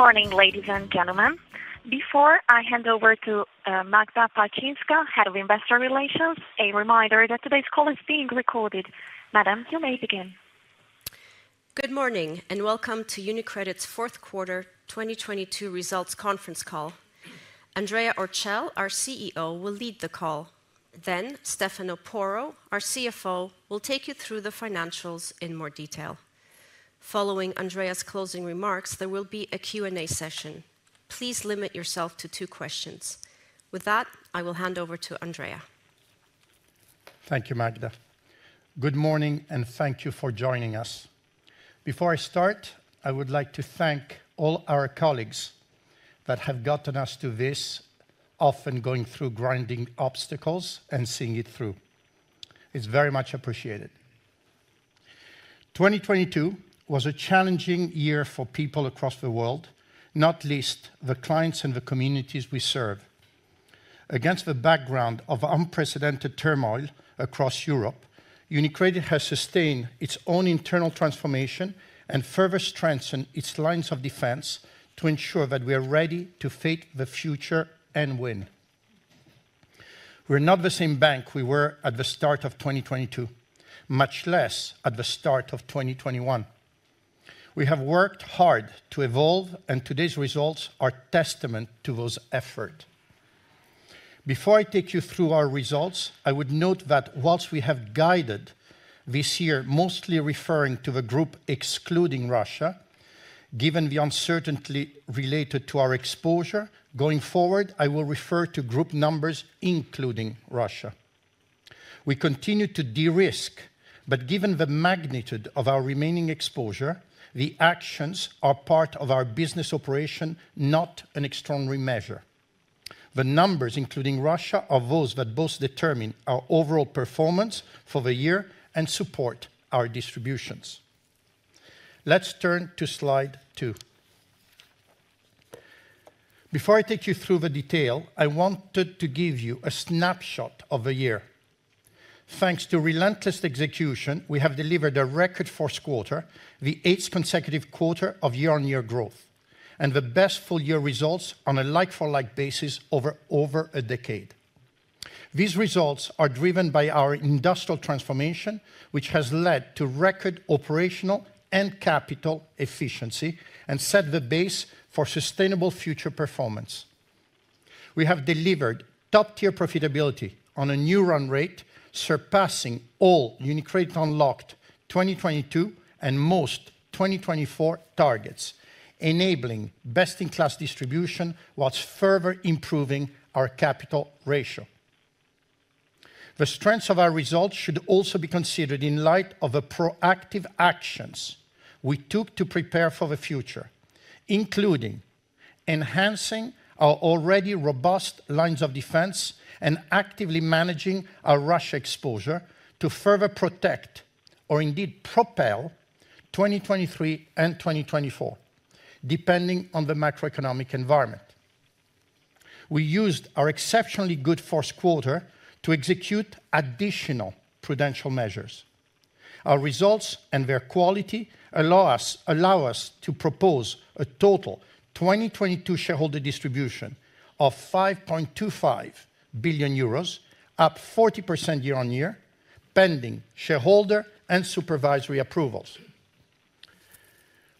Good morning, ladies and gentlemen. Before I hand over to Magda Palczynska, Head of Investor Relations, a reminder that today's call is being recorded. Madam, you may begin. Good morning, welcome to UniCredit's fourth quarter 2022 results conference call. Andrea Orcel, our CEO, will lead the call. Stefano Porro, our CFO, will take you through the financials in more detail. Following Andrea's closing remarks, there will be a Q&A session. Please limit yourself to two questions. With that, I will hand over to Andrea. Thank you, Magda. Good morning. Thank you for joining us. Before I start, I would like to thank all our colleagues that have gotten us to this, often going through grinding obstacles and seeing it through. It's very much appreciated. 2022 was a challenging year for people across the world, not least the clients and the communities we serve. Against the background of unprecedented turmoil across Europe, UniCredit has sustained its own internal transformation and further strengthened its lines of defense to ensure that we are ready to face the future and win. We're not the same bank we were at the start of 2022, much less at the start of 2021. We have worked hard to evolve, and today's results are testament to those effort. Before I take you through our results, I would note that while we have guided this year, mostly referring to the Group excluding Russia, given the uncertainty related to our exposure, going forward, I will refer to Group numbers including Russia. We continue to de-risk, given the magnitude of our remaining exposure, the actions are part of our business operation, not an extraordinary measure. The numbers, including Russia, are those that both determine our overall performance for the year and support our distributions. Let's turn to slide 2. Before I take you through the detail, I wanted to give you a snapshot of the year. Thanks to relentless execution, we have delivered a record fourth quarter, the eighth consecutive quarter of year-on-year growth, and the best full year results on a like-for-like basis over a decade. These results are driven by our industrial transformation, which has led to record operational and capital efficiency and set the base for sustainable future performance. We have delivered top-tier profitability on a new run rate, surpassing all UniCredit Unlocked 2022 and most 2024 targets, enabling best-in-class distribution whilst further improving our capital ratio. The strength of our results should also be considered in light of the proactive actions we took to prepare for the future, including enhancing our already robust lines of defense and actively managing our Russia exposure to further protect or indeed propel 2023 and 2024, depending on the macroeconomic environment. We used our exceptionally good fourth quarter to execute additional prudential measures. Our results and their quality allow us to propose a total 2022 shareholder distribution of 5.25 billion euros, up 40% year-on-year, pending shareholder and supervisory approvals.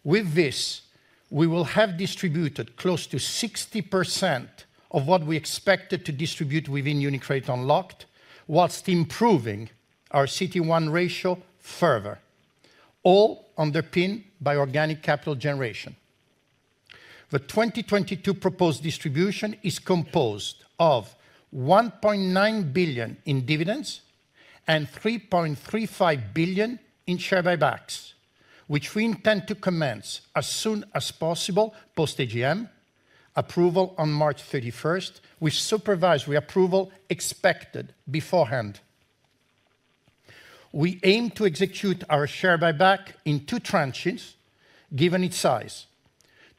With this, we will have distributed close to 60% of what we expected to distribute within UniCredit Unlocked whilst improving our CET1 ratio further, all underpinned by organic capital generation. The 2022 proposed distribution is composed of 1.9 billion in dividends and 3.35 billion in share buybacks, which we intend to commence as soon as possible post-AGM approval on March 31st, with supervisory approval expected beforehand. We aim to execute our share buyback in two tranches given its size.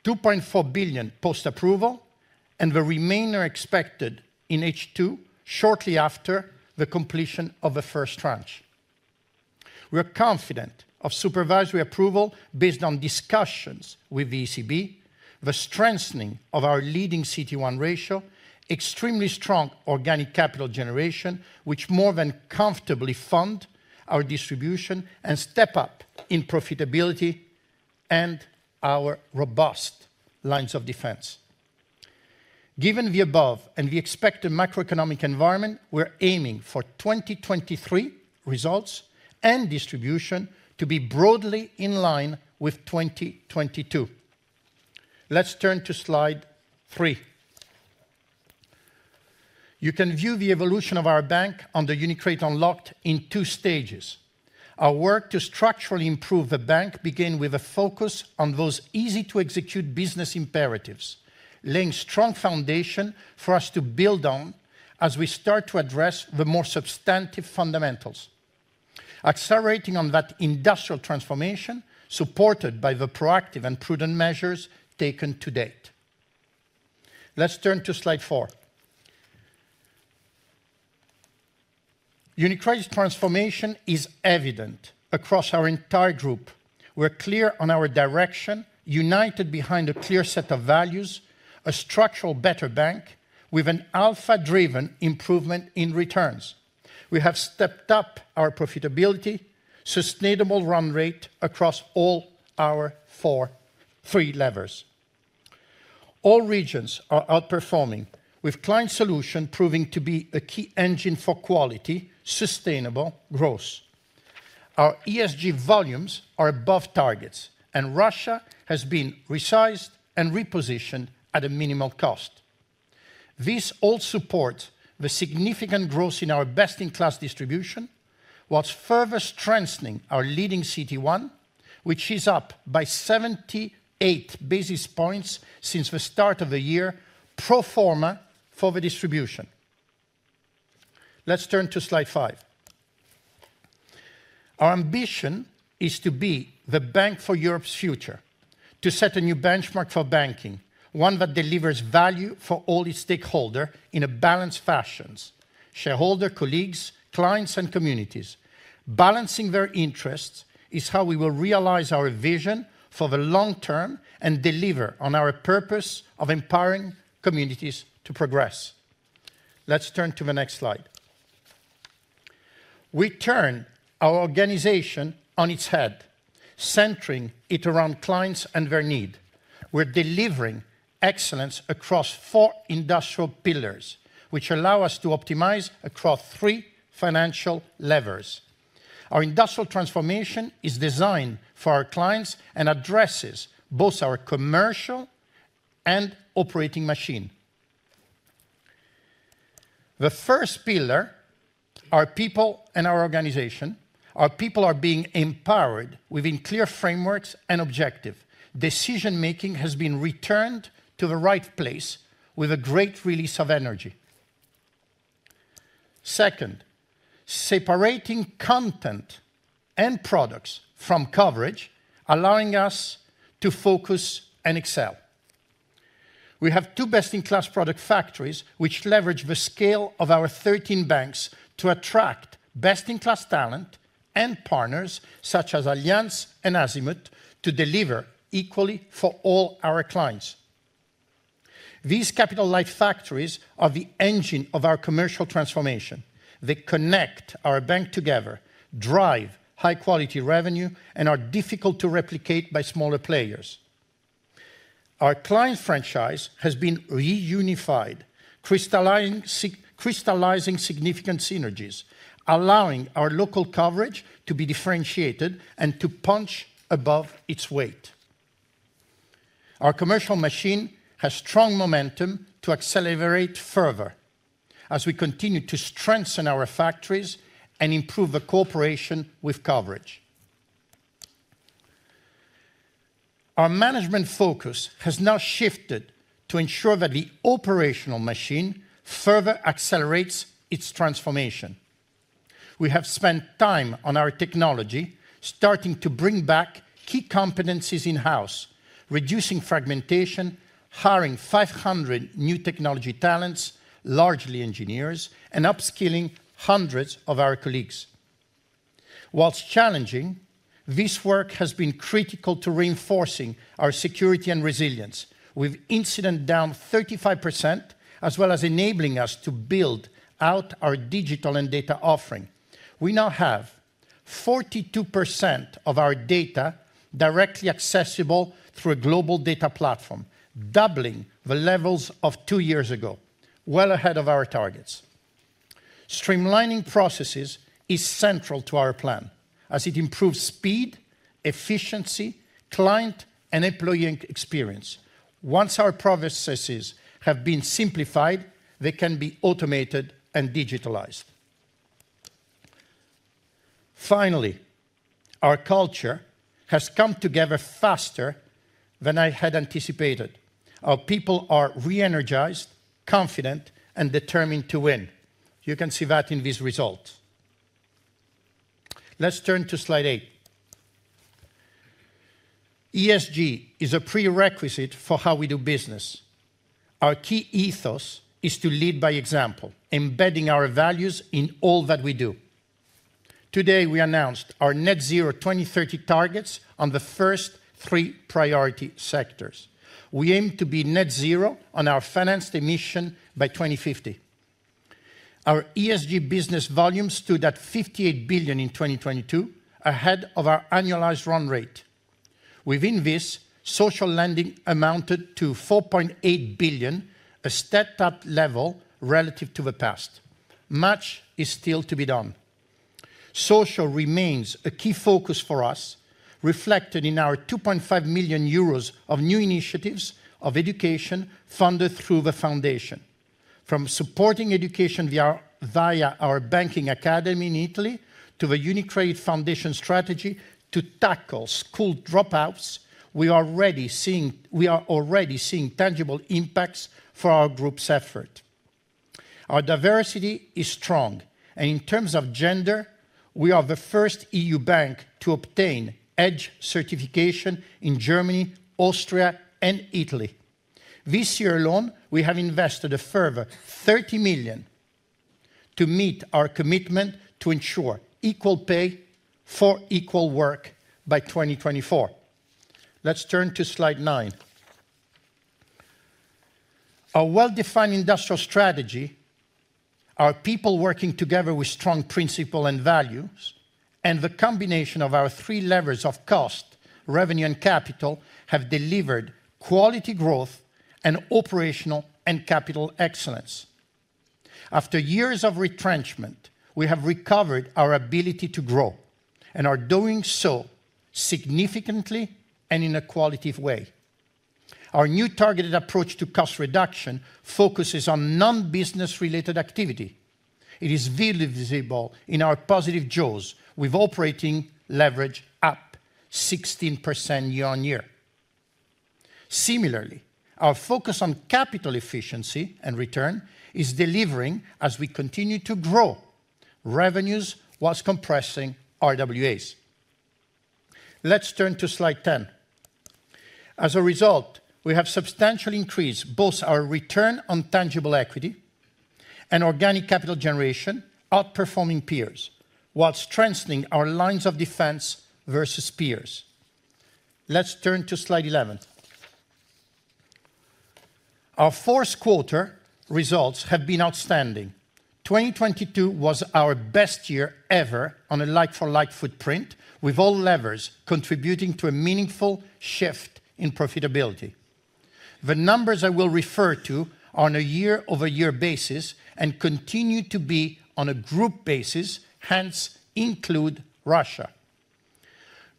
2.4 billion post-approval and the remainder expected in H2 shortly after the completion of the first tranche. We are confident of supervisory approval based on discussions with the ECB, the strengthening of our leading CET1 ratio, extremely strong organic capital generation, which more than comfortably fund our distribution and step up in profitability and our robust lines of defense. Given the above and the expected macroeconomic environment, we're aiming for 2023 results and distribution to be broadly in line with 2022. Let's turn to slide 3. You can view the evolution of our bank on the UniCredit Unlocked in two stages. Our work to structurally improve the bank began with a focus on those easy-to-execute business imperatives, laying strong foundation for us to build on as we start to address the more substantive fundamentals, accelerating on that industrial transformation supported by the proactive and prudent measures taken to date. Let's turn to slide 4. UniCredit's transformation is evident across our entire group. We're clear on our direction, united behind a clear set of values, a structural better bank with an alpha-driven improvement in returns. We have stepped up our profitability, sustainable run rate across all our three levers. All regions are outperforming, with Client Solutions proving to be a key engine for quality, sustainable growth. Our ESG volumes are above targets, and Russia has been resized and repositioned at a minimal cost. This all supports the significant growth in our best-in-class distribution, whilst further strengthening our leading CET1, which is up by 78 basis points since the start of the year, pro forma for the distribution. Let's turn to slide 5. Our ambition is to be the bank for Europe's future, to set a new benchmark for banking, one that delivers value for all its stakeholder in a balanced fashions: shareholder, colleagues, clients, and communities. Balancing their interests is how we will realize our vision for the long term and deliver on our purpose of empowering communities to progress. Let's turn to the next slide. We turn our organization on its head, centering it around clients and their need. We're delivering excellence across four industrial pillars, which allow us to optimize across three financial levers. Our industrial transformation is designed for our clients and addresses both our commercial and operating machine. The first pillar, our people and our organization. Our people are being empowered within clear frameworks and objective. Decision-making has been returned to the right place with a great release of energy. Second, separating content and products from coverage, allowing us to focus and excel. We have two best-in-class product factories which leverage the scale of our 13 banks to attract best-in-class talent and partners such as Allianz and Azimut to deliver equally for all our clients. These capital-light factories are the engine of our commercial transformation. They connect our bank together, drive high quality revenue, and are difficult to replicate by smaller players. Our client franchise has been reunified, crystallizing significant synergies, allowing our local coverage to be differentiated and to punch above its weight. Our commercial machine has strong momentum to accelerate further as we continue to strengthen our factories and improve the cooperation with coverage. Our management focus has now shifted to ensure that the operational machine further accelerates its transformation. We have spent time on our technology, starting to bring back key competencies in-house, reducing fragmentation, hiring 500 new technology talents, largely engineers, and upskilling hundreds of our colleagues. Whilst challenging, this work has been critical to reinforcing our security and resilience, with incident down 35% as well as enabling us to build out our digital and data offering. We now have 42% of our data directly accessible through a global data platform, doubling the levels of two years ago, well ahead of our targets. Streamlining processes is central to our plan as it improves speed, efficiency, client and employee experience. Once our processes have been simplified, they can be automated and digitalized. Our culture has come together faster than I had anticipated. Our people are re-energized, confident, and determined to win. You can see that in these results. Let's turn to slide 8. ESG is a prerequisite for how we do business. Our key ethos is to lead by example, embedding our values in all that we do. Today, we announced our net zero 2030 targets on the first three priority sectors. We aim to be net zero on our financed emission by 2050. Our ESG business volume stood at 58 billion in 2022, ahead of our annualized run rate. Within this, social lending amounted to 4.8 billion, a stepped up level relative to the past. Much is still to be done. Social remains a key focus for us, reflected in our 2.5 million euros of new initiatives of education funded through the UniCredit Foundation. From supporting education via our banking academy in Italy, to the UniCredit Foundation strategy to tackle school dropouts, we are already seeing tangible impacts for our group's effort. Our diversity is strong. In terms of gender, we are the first EU bank to obtain EDGE Certification in Germany, Austria, and Italy. This year alone, we have invested a further 30 million to meet our commitment to ensure equal pay for equal work by 2024. Let's turn to slide 9. Our well-defined industrial strategy, our people working together with strong principle and values, and the combination of our three levers of cost, revenue, and capital have delivered quality growth and operational and capital excellence. After years of retrenchment, we have recovered our ability to grow and are doing so significantly and in a qualitative way. Our new targeted approach to cost reduction focuses on non-business related activity. It is visibly visible in our positive jaws with operating leverage up 16% year-over-year. Similarly, our focus on capital efficiency and return is delivering as we continue to grow revenues whilst compressing RWA. Let's turn to slide 10. As a result, we have substantially increased both our Return on tangible equity and Organic capital generation, outperforming peers, while strengthening our lines of defense versus peers. Let's turn to slide 11. Our fourth quarter results have been outstanding. 2022 was our best year ever on a like for like footprint, with all levers contributing to a meaningful shift in profitability. The numbers I will refer to are on a year-over-year basis and continue to be on a group basis, hence include Russia.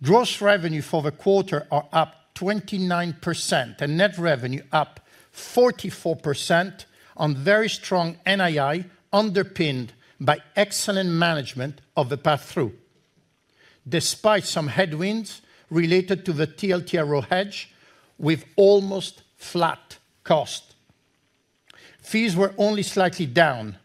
Gross revenue for the quarter are up 29% and net revenue up 44% on very strong NII underpinned by excellent management of the pass-through, despite some headwinds related to the TLTRO hedge with almost flat cost. Fees were only slightly down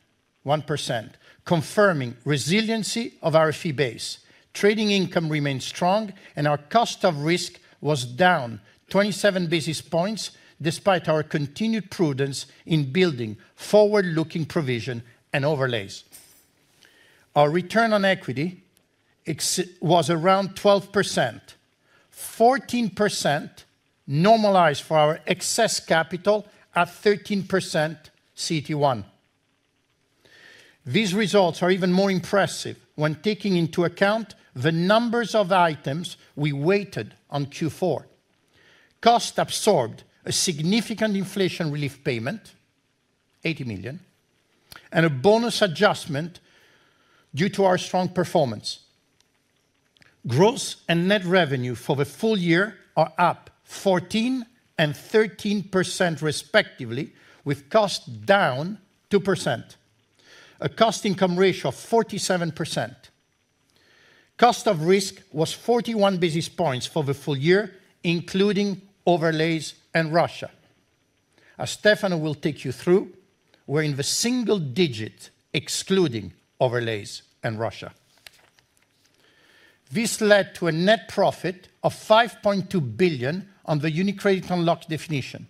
1%, confirming resiliency of our fee base. Trading income remained strong and our cost of risk was down 27 basis points despite our continued prudence in building forward-looking provision and overlays. Our return on equity was around 12%, 14% normalized for our excess capital at 13% CET1. These results are even more impressive when taking into account the numbers of items we weighted on Q4. Cost absorbed a significant inflation relief payment, 80 million, and a bonus adjustment due to our strong performance. Gross and net revenue for the full year are up 14 and 13% respectively, with cost down 2%. A cost income ratio of 47%. Cost of risk was 41 basis points for the full year, including overlays and Russia. As Stefano will take you through, we're in the single digits excluding overlays and Russia. This led to a net profit of 5.2 billion on the UniCredit Unlocked definition.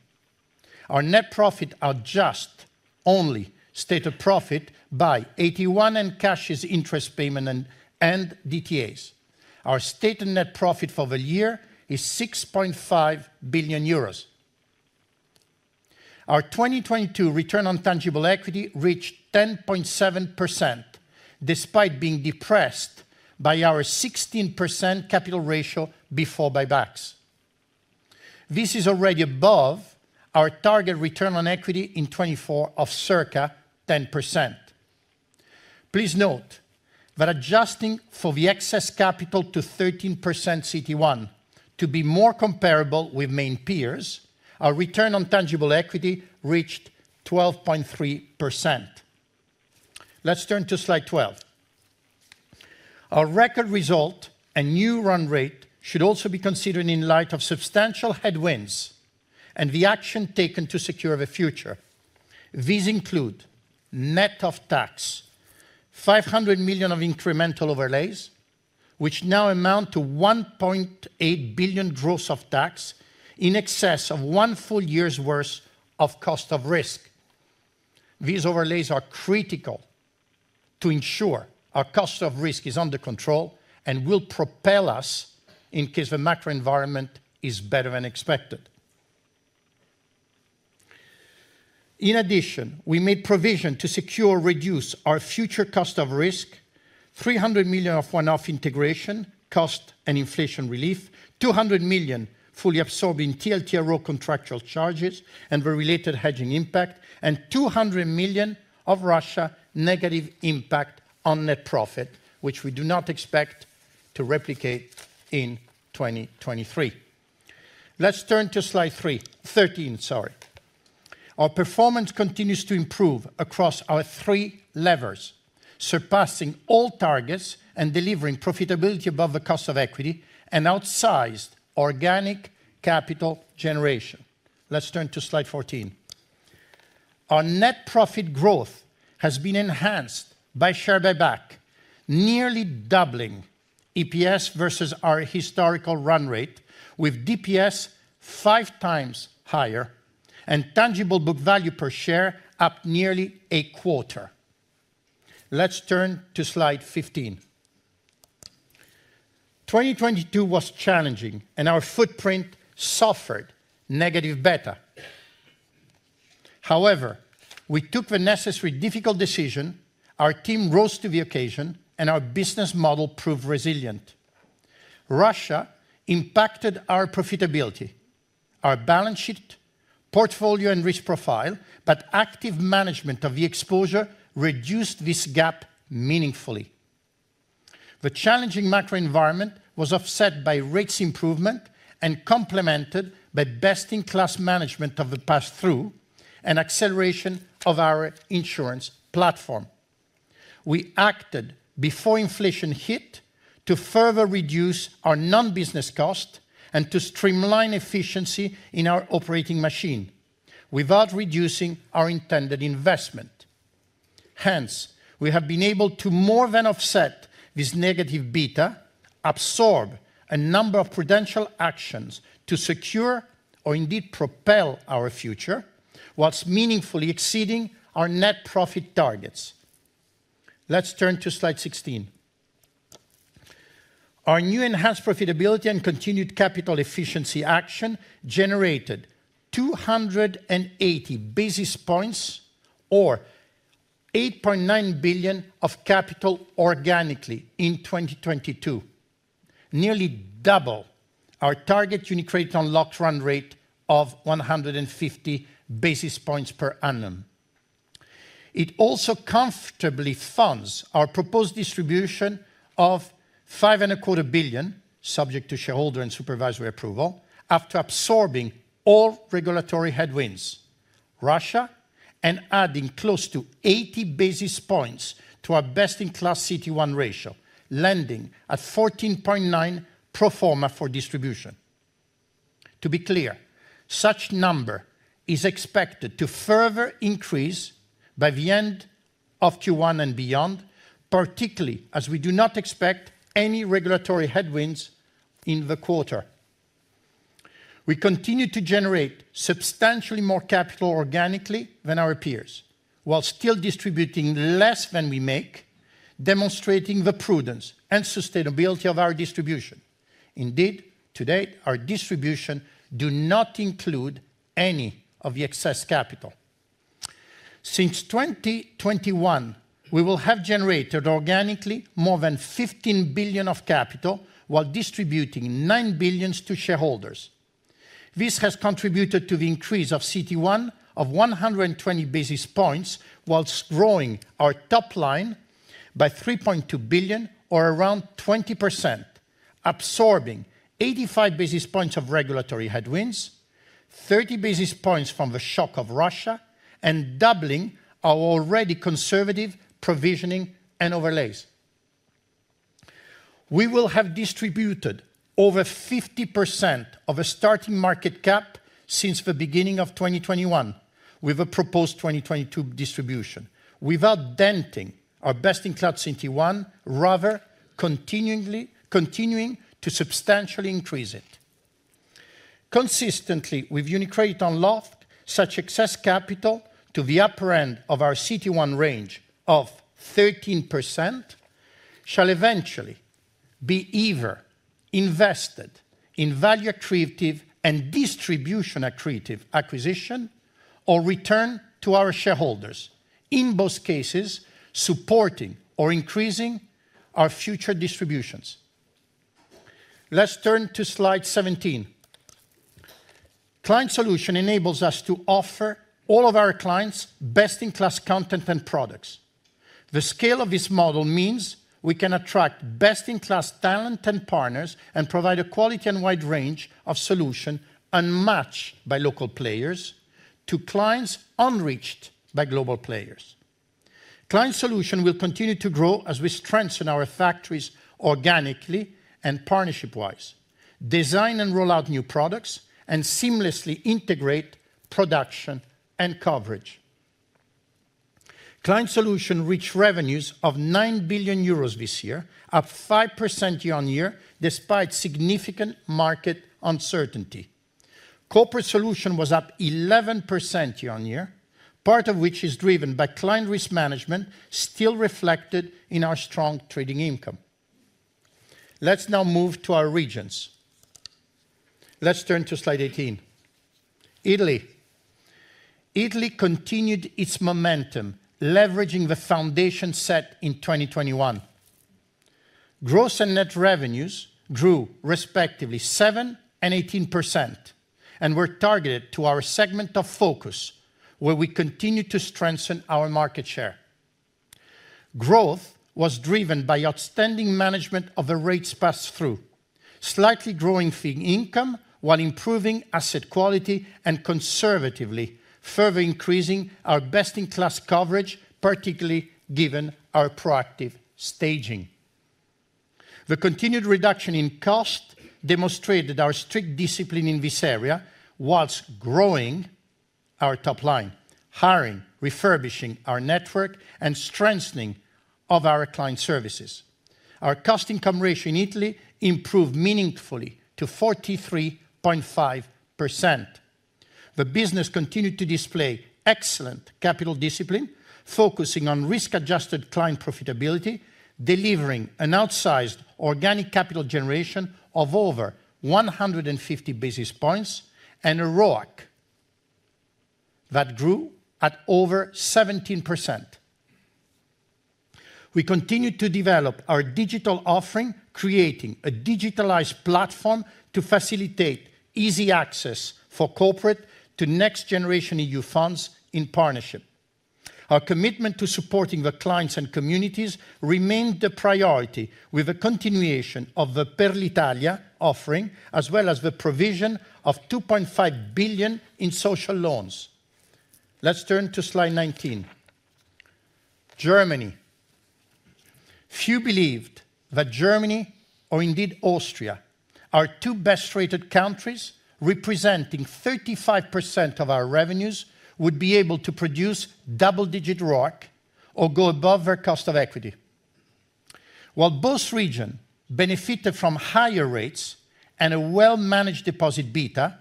Our net profit adjust only stated profit by AT1 and cashes interest payment and DTAs. Our stated net profit for the year is 6.5 billion euros. Our 2022 return on tangible equity reached 10.7% despite being depressed by our 16% capital ratio before buybacks. This is already above our target return on equity in 2024 of circa 10%. Please note that adjusting for the excess capital to 13% CET1 to be more comparable with main peers, our return on tangible equity reached 12.3%. Let's turn to slide 12. Our record result and new run rate should also be considered in light of substantial headwinds and the action taken to secure the future. These include net of tax, 500 million of incremental overlays, which now amount to 1.8 billion gross of tax, in excess of one full year's worth of cost of risk. These overlays are critical to ensure our cost of risk is under control and will propel us in case the macro environment is better than expected. In addition, we made provision to secure reduce our future cost of risk, 300 million of one-off integration cost and inflation relief, 200 million fully absorbed in TLTRO contractual charges and the related hedging impact, and 200 million of Russia negative impact on net profit, which we do not expect to replicate in 2023. Let's turn to slide 13, sorry. Our performance continues to improve across our three levers, surpassing all targets and delivering profitability above the cost of equity and outsized organic capital generation. Let's turn to slide 14. Our net profit growth has been enhanced by share buyback, nearly doubling EPS versus our historical run rate, with DPS 5x higher and tangible book value per share up nearly a quarter. Let's turn to slide 15. 2022 was challenging, Our footprint suffered negative beta. However, we took the necessary difficult decision, our team rose to the occasion, and our business model proved resilient. Russia impacted our profitability, our balance sheet, portfolio, and risk profile, but active management of the exposure reduced this gap meaningfully. The challenging macro environment was offset by rates improvement and complemented by best-in-class management of the pass-through and acceleration of our insurance platform. We acted before inflation hit to further reduce our non-business cost and to streamline efficiency in our operating machine without reducing our intended investment. We have been able to more than offset this negative beta, absorb a number of Prudential actions to secure or indeed propel our future whilst meaningfully exceeding our net profit targets. Let's turn to slide 16. Our new enhanced profitability and continued capital efficiency action generated 280 basis points or 8.9 billion of capital organically in 2022, nearly double our target UniCredit Unlocked run rate of 150 basis points per annum. It also comfortably funds our proposed distribution of five and a quarter billion, subject to shareholder and supervisory approval, after absorbing all regulatory headwinds, Russia, and adding close to 80 basis points to our best-in-class CET1 ratio, landing at 14.9 pro forma for distribution. To be clear, such number is expected to further increase by the end of Q1 and beyond, particularly as we do not expect any regulatory headwinds in the quarter. We continue to generate substantially more capital organically than our peers, while still distributing less than we make, demonstrating the prudence and sustainability of our distribution. Indeed, to date, our distribution do not include any of the excess capital. Since 2021, we will have generated organically more than 15 billion of capital while distributing 9 billion to shareholders. This has contributed to the increase of CET1 of 120 basis points whilst growing our top line by 3.2 billion or around 20%, absorbing 85 basis points of regulatory headwinds, 30 basis points from the shock of Russia, and doubling our already conservative provisioning and overlays. We will have distributed over 50% of a starting market cap since the beginning of 2021 with a proposed 2022 distribution without denting our best-in-class CET1, rather continuing to substantially increase it. Consistently with UniCredit Unlocked, such excess capital to the upper end of our CET1 range of 13% shall eventually be either invested in value accretive and distribution accretive acquisition or return to our shareholders, in both cases, supporting or increasing our future distributions. Let's turn to slide 17. Client Solutions enables us to offer all of our clients best-in-class content and products. The scale of this model means we can attract best-in-class talent and partners and provide a quality and wide range of solution unmatched by local players to clients unreached by global players. Client Solutions will continue to grow as we strengthen our factories organically and partnership-wise, design and roll out new products, and seamlessly integrate production and coverage. Client Solutions reached revenues of 9 billion euros this year, up 5% year-on-year, despite significant market uncertainty. Corporate Solutions was up 11% year-on-year, part of which is driven by client risk management still reflected in our strong trading income. Let's now move to our regions. Let's turn to slide 18. Italy. Italy continued its momentum, leveraging the foundation set in 2021. Gross and net revenues grew respectively 7% and 18% and were targeted to our segment of focus, where we continued to strengthen our market share. Growth was driven by outstanding management of the rates pass through, slightly growing fee income while improving asset quality and conservatively further increasing our best-in-class coverage, particularly given our proactive staging. The continued reduction in cost demonstrated our strict discipline in this area whilst growing our top line, hiring, refurbishing our network, and strengthening of our client services. Our cost income ratio in Italy improved meaningfully to 43.5%. The business continued to display excellent capital discipline, focusing on risk adjusted client profitability, delivering an outsized organic capital generation of over 150 basis points and a RoIC that grew at over 17%. We continued to develop our digital offering, creating a digitalized platform to facilitate easy access for corporate to next generation EU funds in partnership. Our commitment to supporting the clients and communities remained the priority with a continuation of the Per l'Italia offering, as well as the provision of 2.5 billion in social loans. Let's turn to slide 19. Germany. Few believed that Germany, or indeed Austria, our two best rated countries, representing 35% of our revenues, would be able to produce double-digit RoIC or go above their cost of equity. While both region benefited from higher rates and a well-managed deposit beta,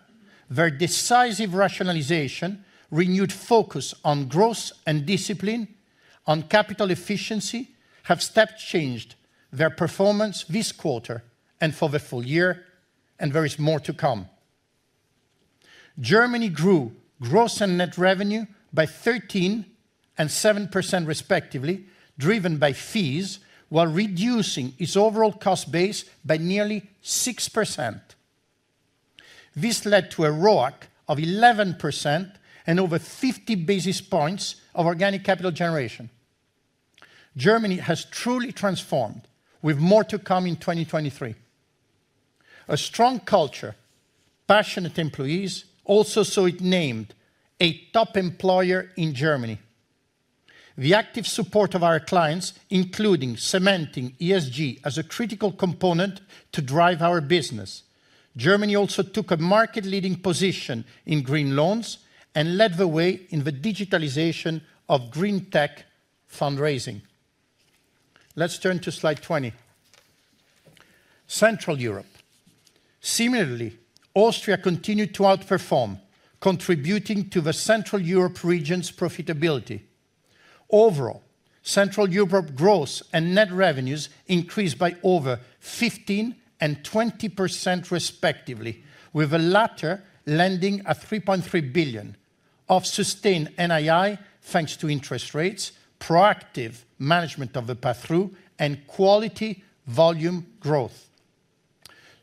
their decisive rationalization, renewed focus on growth and discipline on capital efficiency have step changed their performance this quarter and for the full year. There is more to come. Germany grew gross and net revenue by 13 and 7% respectively, driven by fees, while reducing its overall cost base by nearly 6%. This led to a RoIC of 11% and over 50 basis points of organic capital generation. Germany has truly transformed, with more to come in 2023. A strong culture, passionate employees, also saw it named a top employer in Germany. The active support of our clients, including cementing ESG as a critical component to drive our business. Germany also took a market leading position in green loans and led the way in the digitalization of green tech fundraising. Let's turn to slide 20. Central Europe. Similarly, Austria continued to outperform, contributing to the Central Europe region's profitability. Overall, Central Europe gross and net revenues increased by over 15% and 20% respectively, with the latter lending a 3.3 billion of sustained NII, thanks to interest rates, proactive management of the pass-through, and quality volume growth.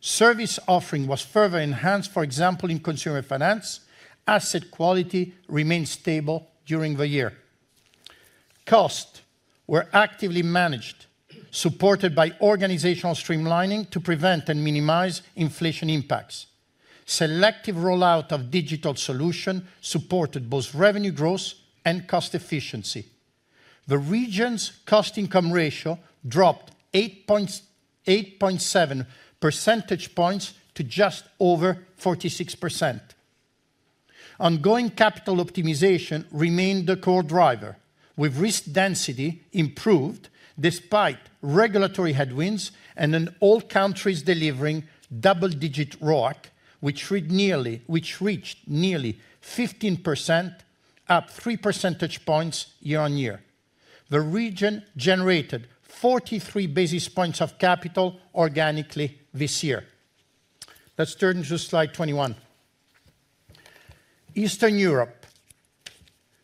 Service offering was further enhanced, for example, in consumer finance. Asset quality remained stable during the year. Costs were actively managed, supported by organizational streamlining to prevent and minimize inflation impacts. Selective rollout of digital solution supported both revenue growth and cost efficiency. The region's cost income ratio dropped 8.7 percentage points to just over 46%. Ongoing capital optimization remained the core driver with risk density improved despite regulatory headwinds and then all countries delivering double-digit RoIC, which reached nearly 15%, up 3 percentage points year-on-year. The region generated 43 basis points of capital organically this year. Let's turn to slide 21. Eastern Europe.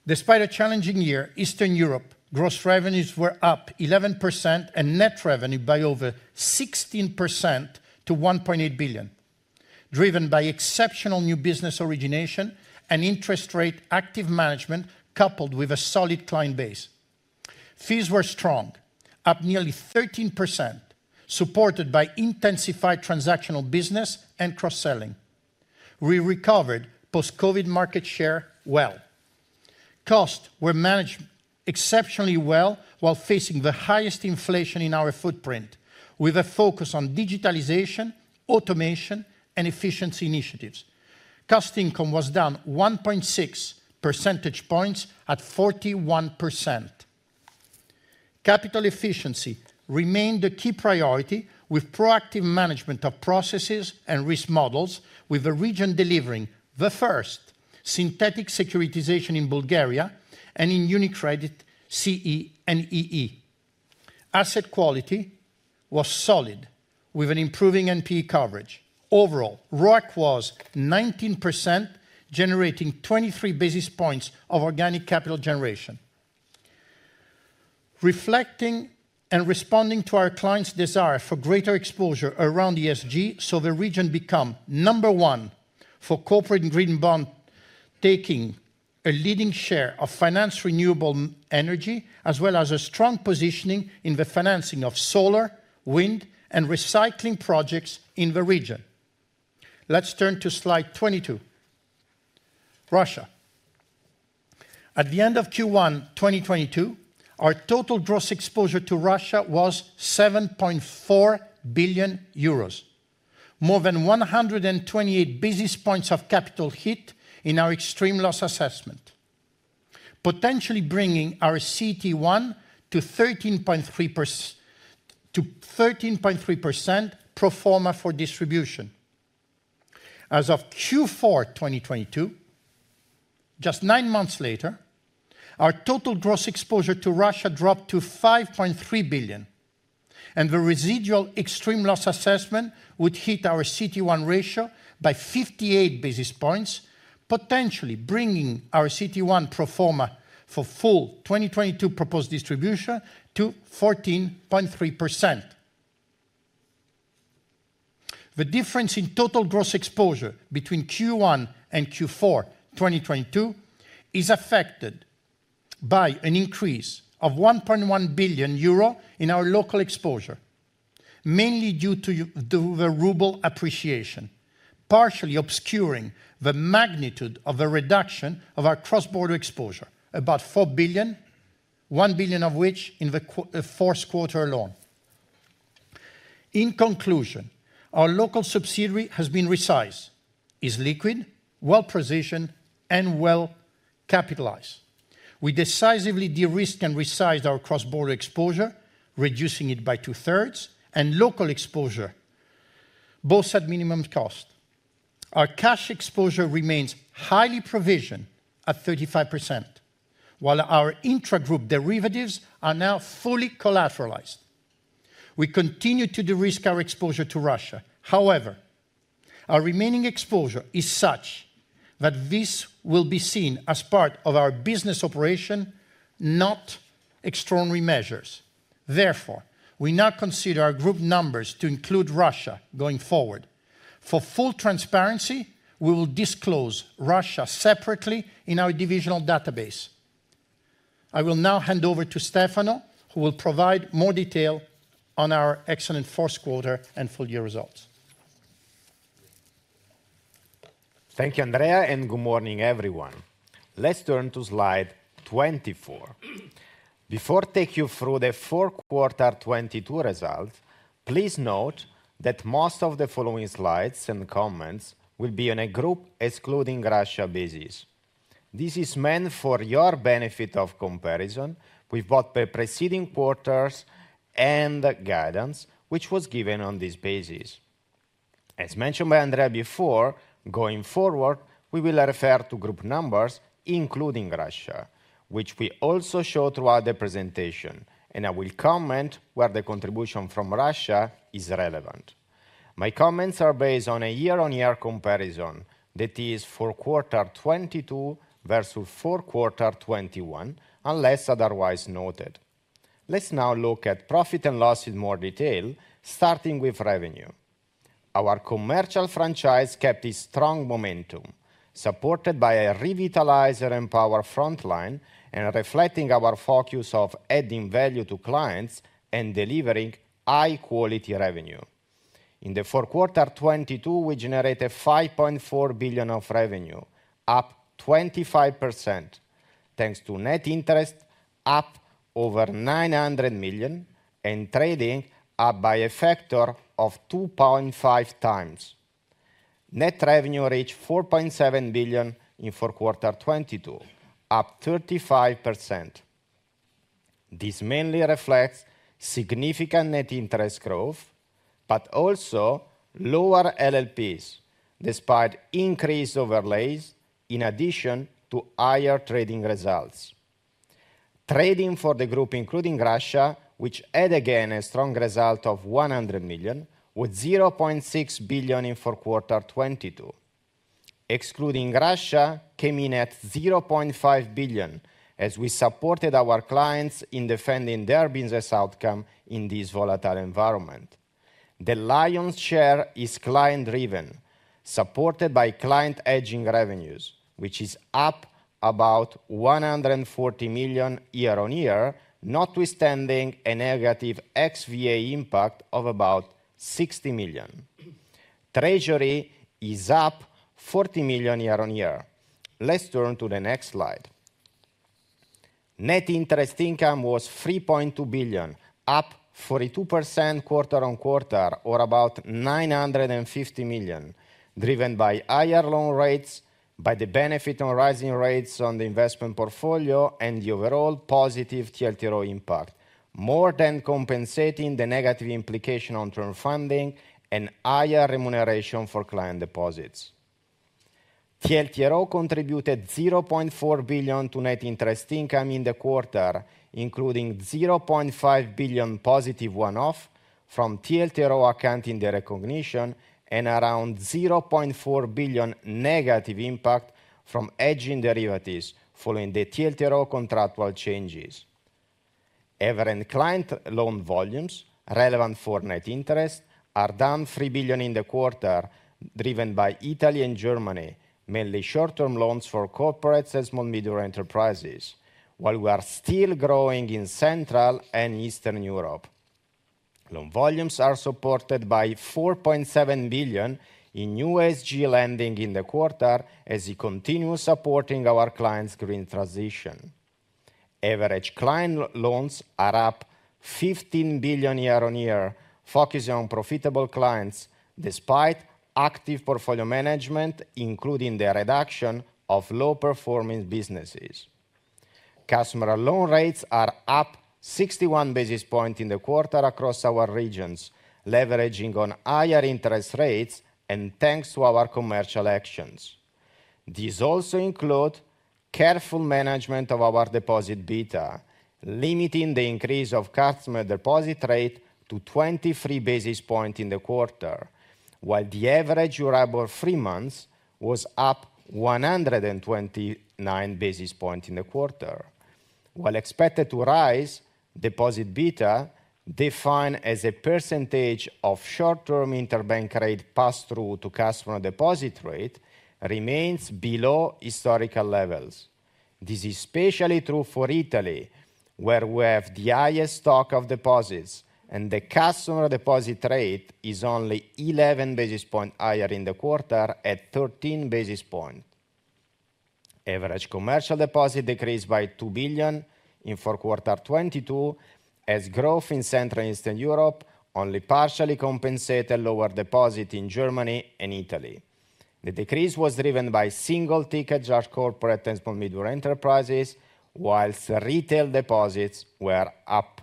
Despite a challenging year, Eastern Europe gross revenues were up 11% and net revenue by over 16% to 1.8 billion, driven by exceptional new business origination and interest rate active management, coupled with a solid client base. Fees were strong, up nearly 13%, supported by intensified transactional business and cross-selling. We recovered post-COVID market share well. Costs were managed exceptionally well while facing the highest inflation in our footprint with a focus on digitalization, automation, and efficiency initiatives. Cost income was down 1.6 percentage points at 41%. Capital efficiency remained a key priority with proactive management of processes and risk models with the region delivering the first synthetic securitization in Bulgaria and in UniCredit CE and EE. Asset quality was solid with an improving NPE coverage. Overall, RoIC was 19%, generating 23 basis points of organic capital generation. Reflecting and responding to our clients' desire for greater exposure around ESG, the region become number one for corporate and green bond, taking a leading share of finance renewable energy, as well as a strong positioning in the financing of solar, wind, and recycling projects in the region. Let's turn to slide 22. Russia. At the end of Q1 2022, our total gross exposure to Russia was 7.4 billion euros, more than 128 basis points of capital hit in our extreme loss assessment, potentially bringing our CET1 to 13.3% pro forma for distribution. As of Q4 2022, just nine months later, our total gross exposure to Russia dropped to 5.3 billion, and the residual extreme loss assessment would hit our CET1 ratio by 58 basis points, potentially bringing our CET1 pro forma for full 2022 proposed distribution to 14.3%. The difference in total gross exposure between Q1 and Q4 2022 is affected by an increase of 1.1 billion euro in our local exposure, mainly due to the ruble appreciation, partially obscuring the magnitude of the reduction of our cross-border exposure, about 4 billion, 1 billion of which in the fourth quarter alone. In conclusion, our local subsidiary has been resized, is liquid, well-positioned, and well-capitalized. We decisively de-risked and resized our cross-border exposure, reducing it by two-thirds, and local exposure, both at minimum cost. Our cash exposure remains highly provisioned at 35%, while our intragroup derivatives are now fully collateralized. We continue to de-risk our exposure to Russia. Our remaining exposure is such that this will be seen as part of our business operation, not extraordinary measures. We now consider our group numbers to include Russia going forward. For full transparency, we will disclose Russia separately in our divisional database. I will now hand over to Stefano, who will provide more detail on our excellent fourth quarter and full year results. Thank you, Andrea, good morning, everyone. Let's turn to slide 24. Before take you through the fourth quarter 2022 result, please note that most of the following slides and comments will be on a group excluding Russia basis. This is meant for your benefit of comparison with both the preceding quarters and the guidance which was given on this basis. As mentioned by Andrea before, going forward, we will refer to group numbers including Russia, which we also show throughout the presentation, and I will comment where the contribution from Russia is relevant. My comments are based on a year-on-year comparison, that is for quarter 2022 versus for quarter 2021, unless otherwise noted. Let's now look at profit and loss in more detail, starting with revenue. Our commercial franchise kept its strong momentum, supported by a revitalized and empowered frontline and reflecting our focus of adding value to clients and delivering high-quality revenue. In the fourth quarter 2022, we generated 5.4 billion of revenue, up 25%, thanks to net interest up over 900 million and trading up by a factor of 2.5x. Net revenue reached 4.7 billion in fourth quarter 2022, up 35%. This mainly reflects significant net interest growth, but also lower LLPs, despite increased overlays in addition to higher trading results. Trading for the group, including Russia, which had again a strong result of 100 million, with 0.6 billion in fourth quarter 2022. Excluding Russia came in at 0.5 billion, as we supported our clients in defending their business outcome in this volatile environment. The lion's share is client-driven, supported by client hedging revenues, which is up about 140 million year-on-year, notwithstanding a negative XVA impact of about 60 million. Treasury is up 40 million year-on-year. Let's turn to the next slide. Net interest income was 3.2 billion, up 42% quarter-on-quarter, or about 950 million, driven by higher loan rates, by the benefit on rising rates on the investment portfolio, and the overall positive TLTRO impact, more than compensating the negative implication on term funding and higher remuneration for client deposits. TLTRO contributed 0.4 billion to Net interest income in the quarter, including 0.5 billion positive one-off from TLTRO account in the recognition and around 0.4 billion negative impact from hedging derivatives following the TLTRO contractual changes. Average client loan volumes relevant for net interest are down 3 billion in the quarter, driven by Italy and Germany, mainly short-term loans for corporates and small and medium enterprises. We are still growing in Central and Eastern Europe. Loan volumes are supported by 4.7 billion in new ESG lending in the quarter as we continue supporting our clients' green transition. Average client loans are up 15 billion year-on-year, focusing on profitable clients despite active portfolio management, including the reduction of low-performing businesses. Customer loan rates are up 61 basis points in the quarter across our regions, leveraging on higher interest rates and thanks to our commercial actions. These also include careful management of our deposit beta, limiting the increase of customer deposit rate to 23 basis points in the quarter, while the average Euribor three months was up 129 basis points in the quarter. While expected to rise, deposit beta, defined as a percentage of short-term interbank rate pass-through to customer deposit rate, remains below historical levels. This is especially true for Italy, where we have the highest stock of deposits and the customer deposit rate is only 11 basis points higher in the quarter at 13 basis points. Average commercial deposit decreased by 2 billion in Q4 2022 as growth in Central and Eastern Europe only partially compensate a lower deposit in Germany and Italy. The decrease was driven by single ticket large corporate and small and medium enterprises, whilst retail deposits were up.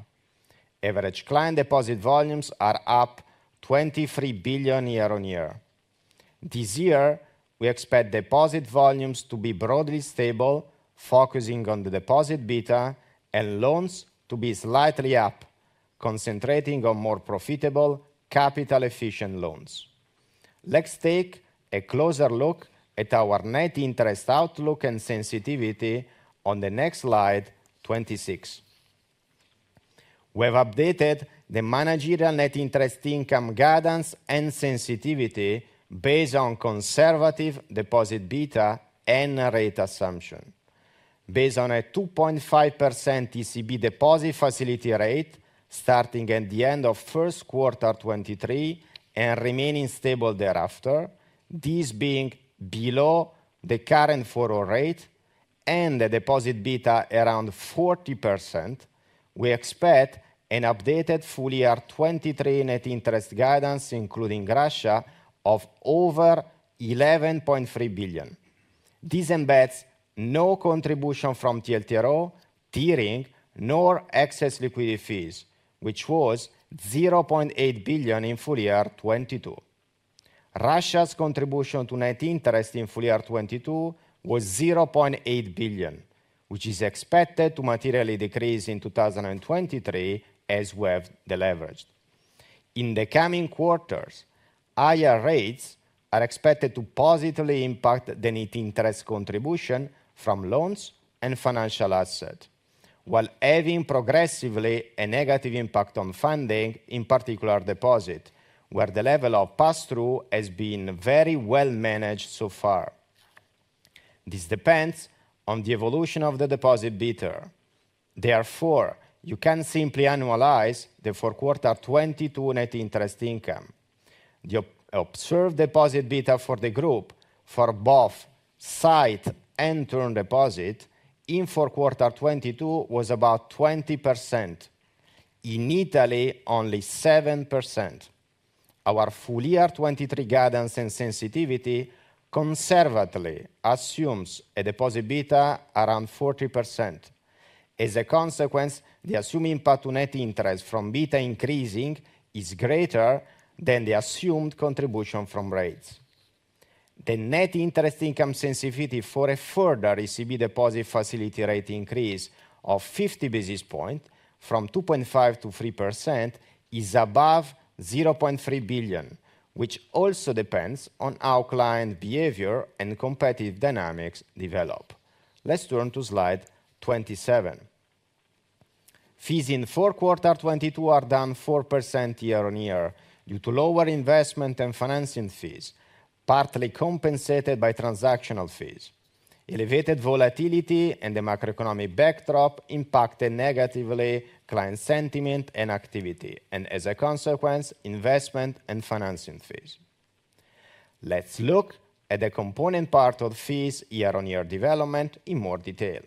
Average client deposit volumes are up 23 billion year-on-year. This year, we expect deposit volumes to be broadly stable, focusing on the deposit beta and loans to be slightly up, concentrating on more profitable capital efficient loans. Let's take a closer look at our net interest outlook and sensitivity on the next slide, 26. We have updated the managerial net interest income guidance and sensitivity based on conservative deposit beta and rate assumption. Based on a 2.5% ECB deposit facility rate starting at the end of first quarter 2023 and remaining stable thereafter, this being below the current forward rate and the deposit beta around 40%, we expect an updated full year 2023 net interest guidance, including Russia, of over 11.3 billion. This embeds no contribution from TLTRO tiering nor excess liquidity fees, which was 0.8 billion in full year 2022. Russia's contribution to net interest in full year 2022 was 0.8 billion, which is expected to materially decrease in 2023 as we have deleveraged. In the coming quarters, higher rates are expected to positively impact the net interest contribution from loans and financial asset, while having progressively a negative impact on funding, in particular deposit, where the level of pass-through has been very well managed so far. This depends on the evolution of the deposit beta. You can simply annualize the Q4 2022 net interest income. The observed deposit beta for the group for both sight and term deposit in Q4 2022 was about 20%. In Italy, only 7%. Our full year 2023 guidance and sensitivity conservatively assumes a deposit beta around 40%. As a consequence, the assumed impact to net interest from beta increasing is greater than the assumed contribution from rates. The net interest income sensitivity for a further ECB deposit facility rate increase of 50 basis points from 2.5%-3% is above 0.3 billion, which also depends on how client behavior and competitive dynamics develop. Let's turn to slide 27. Fees in four quarter 2022 are down 4% year-on-year due to lower investment and financing fees, partly compensated by transactional fees. Elevated volatility and the macroeconomic backdrop impacted negatively client sentiment and activity. As a consequence, investment and financing fees. Let's look at the component part of fees year-on-year development in more detail.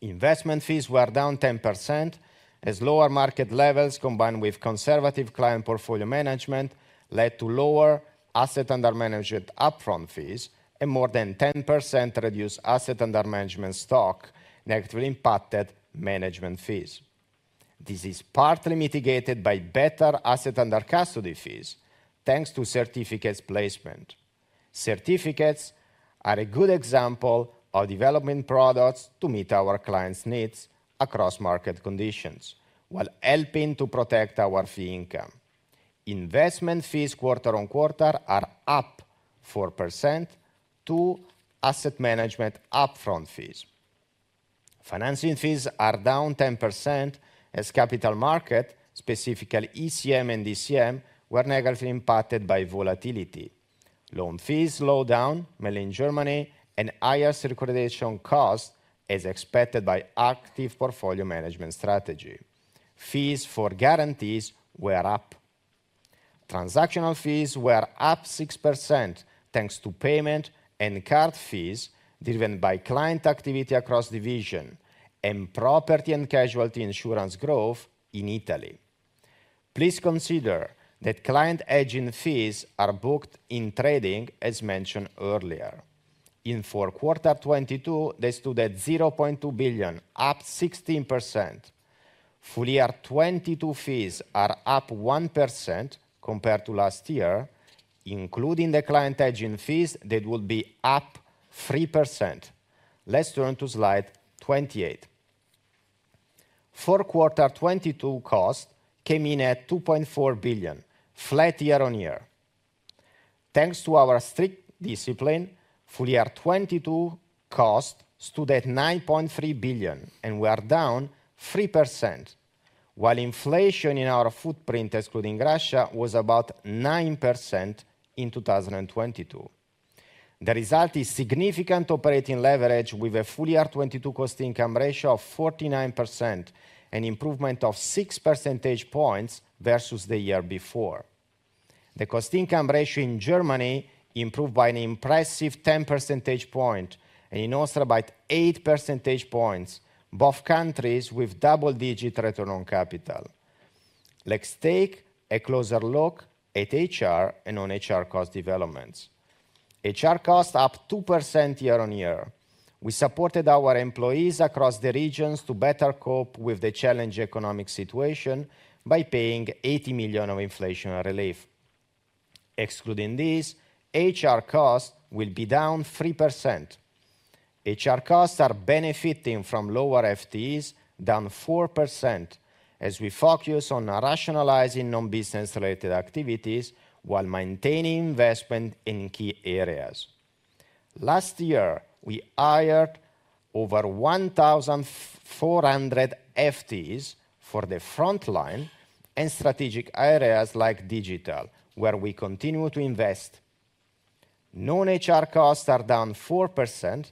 Investment fees were down 10% as lower market levels combined with conservative client portfolio management led to lower assets under management upfront fees and more than 10% reduced assets under management stock negatively impacted management fees. This is partly mitigated by better assets under custody fees, thanks to certificates placement. Certificates are a good example of developing products to meet our clients' needs across market conditions while helping to protect our fee income. Investment fees quarter-on-quarter are up 4% to asset management upfront fees. Financing fees are down 10% as capital market, specifically ECM and DCM, were negatively impacted by volatility. Loan fees slowed down, mainly in Germany, and higher circulation cost is expected by active portfolio management strategy. Fees for guarantees were up. Transactional fees were up 6% thanks to payment and card fees driven by client activity across division and property and casualty insurance growth in Italy. Please consider that client agent fees are booked in trading as mentioned earlier. In four quarter 2022, they stood at 0.2 billion, up 16%. Full year 2022 fees are up 1% compared to last year, including the client agent fees that would be up 3%. Let's turn to slide 28. Q4 2022 costs came in at 2.4 billion, flat year-on-year. Thanks to our strict discipline, full year 2022 costs stood at 9.3 billion, and we are down 3%, while inflation in our footprint excluding Russia was about 9% in 2022. The result is significant operating leverage with a full year 2022 cost income ratio of 49%, an improvement of six percentage points versus the year before. The cost income ratio in Germany improved by an impressive 10 percentage point, and in Austria by eight percentage points, both countries with double-digit return on capital. Let's take a closer look at HR and on HR cost developments. HR costs up 2% year-on-year. We supported our employees across the regions to better cope with the challenged economic situation by paying 80 million of inflation relief. Excluding this, HR costs will be down 3%. HR costs are benefiting from lower FTEs, down 4%, as we focus on rationalizing non-business-related activities while maintaining investment in key areas. Last year, we hired over 1,400 FTEs for the front line and strategic areas like digital, where we continue to invest. Non-HR costs are down 4%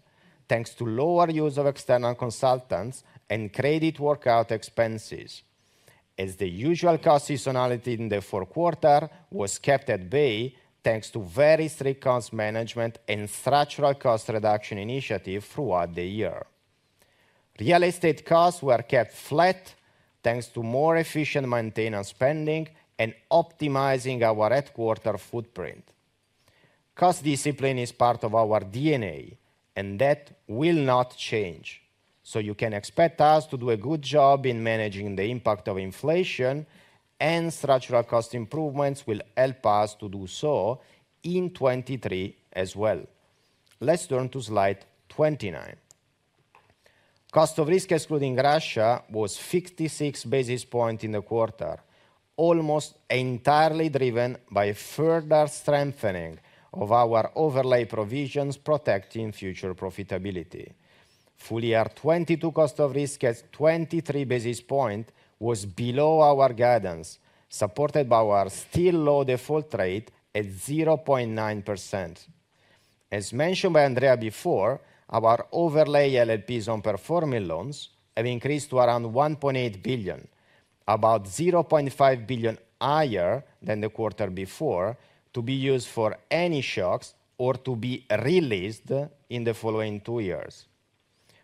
thanks to lower use of external consultants and credit workout expenses as the usual cost seasonality in the fourth quarter was kept at bay, thanks to very strict cost management and structural cost reduction initiative throughout the year. Real estate costs were kept flat, thanks to more efficient maintenance spending and optimizing our headquarter footprint. Cost discipline is part of our DNA. That will not change. You can expect us to do a good job in managing the impact of inflation and structural cost improvements will help us to do so in 2023 as well. Let's turn to slide 29. Cost of risk excluding Russia was 56 basis point in the quarter, almost entirely driven by further strengthening of our overlay provisions protecting future profitability. Full year 2022 cost of risk at 23 basis point was below our guidance, supported by our still low default rate at 0.9%. As mentioned by Andrea before, our overlay LLPs on performing loans have increased to around 1.8 billion, about 0.5 billion higher than the quarter before, to be used for any shocks or to be released in the following two years.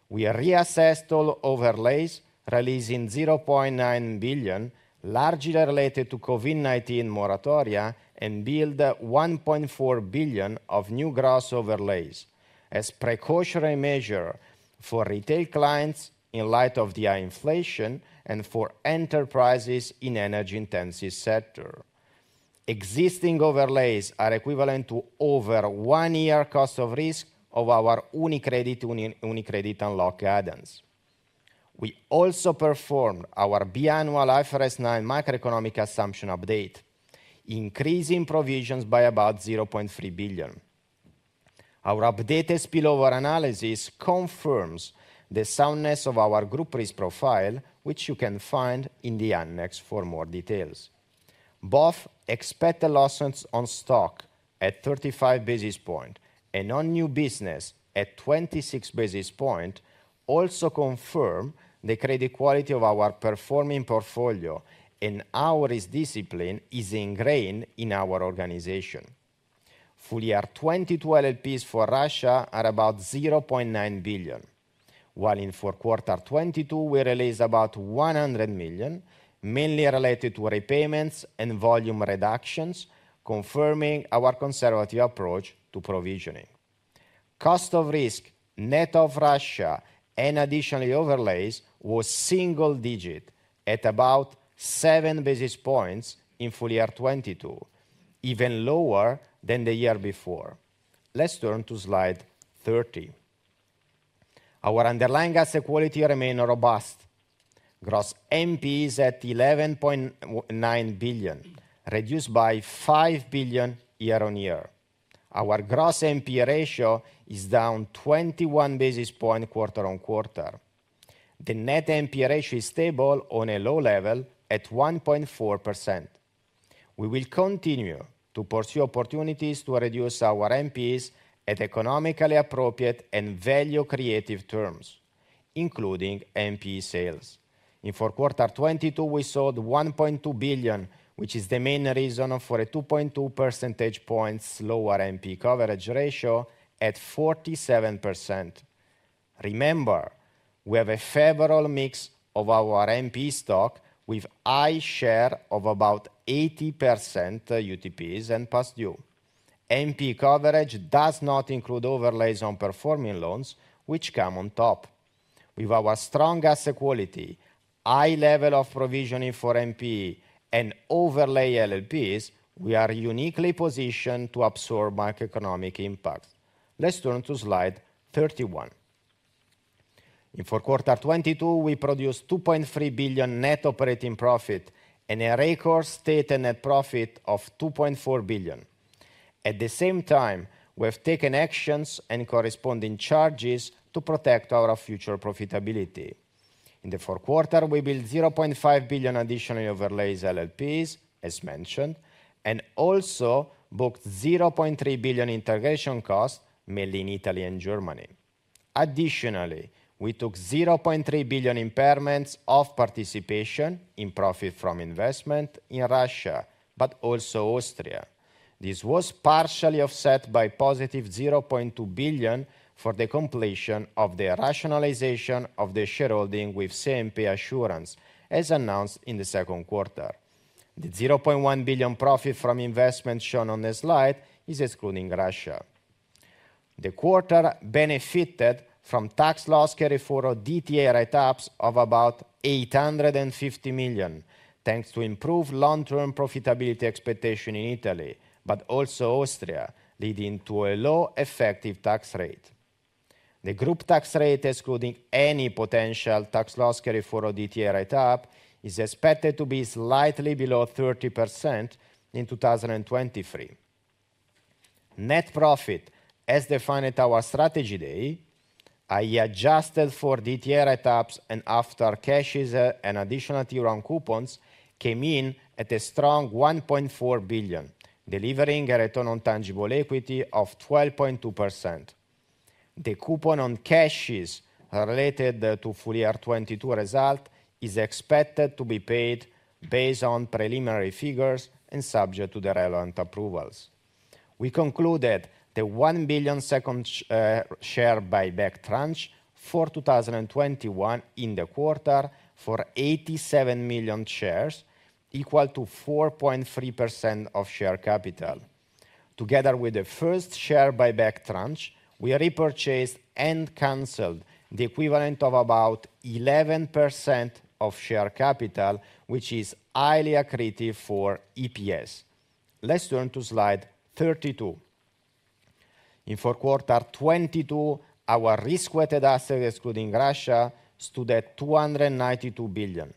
We have reassessed all overlays, releasing 0.9 billion, largely related to COVID-19 moratoria, and build 1.4 billion of new gross overlays as precautionary measure for retail clients in light of the inflation and for enterprises in energy intensive sector. Existing overlays are equivalent to over one year cost of risk of our UniCredit Unlocked guidance. We also performed our biannual IFRS nine macroeconomic assumption update, increasing provisions by about 0.3 billion. Our updated spillover analysis confirms the soundness of our group risk profile, which you can find in the annex for more details. Both expected losses on stock at 35 basis points and on new business at 26 basis points also confirm the credit quality of our performing portfolio and our risk discipline is ingrained in our organization. Full year 2022 LLPs for Russia are about 0.9 billion, while in fourth quarter 2022 we released about 100 million, mainly related to repayments and volume reductions, confirming our conservative approach to provisioning. Cost of risk, net of Russia and additionally overlays, was single digit at about seven basis points in full year 2022, even lower than the year before. Let's turn to slide 30. Our underlying asset quality remain robust. Gross NPE is at 11.9 billion, reduced by 5 billion year-on-year. Our gross NPE ratio is down 21 basis points quarter-on-quarter. The net NPA ratio is stable on a low level at 1.4%. We will continue to pursue opportunities to reduce our NPAs at economically appropriate and value creative terms, including NPA sales. In fourth quarter 2022, we sold 1.2 billion, which is the main reason for a 2.2 percentage points lower NPA coverage ratio at 47%. Remember, we have a favorable mix of our NPA stock with high share of about 80% UTPs and past due. NPA coverage does not include overlays on performing loans which come on top. With our strong asset quality, high level of provisioning for NPA, and overlay LLPs, we are uniquely positioned to absorb macroeconomic impacts. Let's turn to slide 31. In fourth quarter 2022, we produced 2.3 billion net operating profit and a record stated net profit of 2.4 billion. At the same time, we have taken actions and corresponding charges to protect our future profitability. In the fourth quarter, we built 0.5 billion additional overlays LLPs, as mentioned, and also booked 0.3 billion integration costs, mainly in Italy and Germany. Additionally, we took 0.3 billion impairments of participation in profit from investment in Russia, but also Austria. This was partially offset by positive 0.2 billion for the completion of the rationalization of the shareholding with CNP Assurances, as announced in the second quarter. The 0.1 billion profit from investment shown on the slide is excluding Russia. The quarter benefited from tax loss carryforwards DTA write-ups of about 850 million, thanks to improved long-term profitability expectation in Italy, but also Austria, leading to a low effective tax rate. The group tax rate, excluding any potential tax loss carryforwards DTA write-up, is expected to be slightly below 30% in 2023. Net profit, as defined at our Strategy Day, i.e., adjusted for DTA write-ups and after cash AT1 and Additional Tier 1 coupons, came in at a strong 1.4 billion, delivering a return on tangible equity of 12.2%. The coupon on cash AT1 related to full year 2022 result is expected to be paid based on preliminary figures and subject to the relevant approvals. We concluded the 1 billion second share buyback tranche for 2021 in the quarter for 87 million shares, equal to 4.3% of share capital. Together with the first share buyback tranche, we repurchased and canceled the equivalent of about 11% of share capital, which is highly accretive for EPS. Let's turn to slide 32. In fourth quarter 2022, our risk-weighted assets, excluding Russia, stood at 292 billion,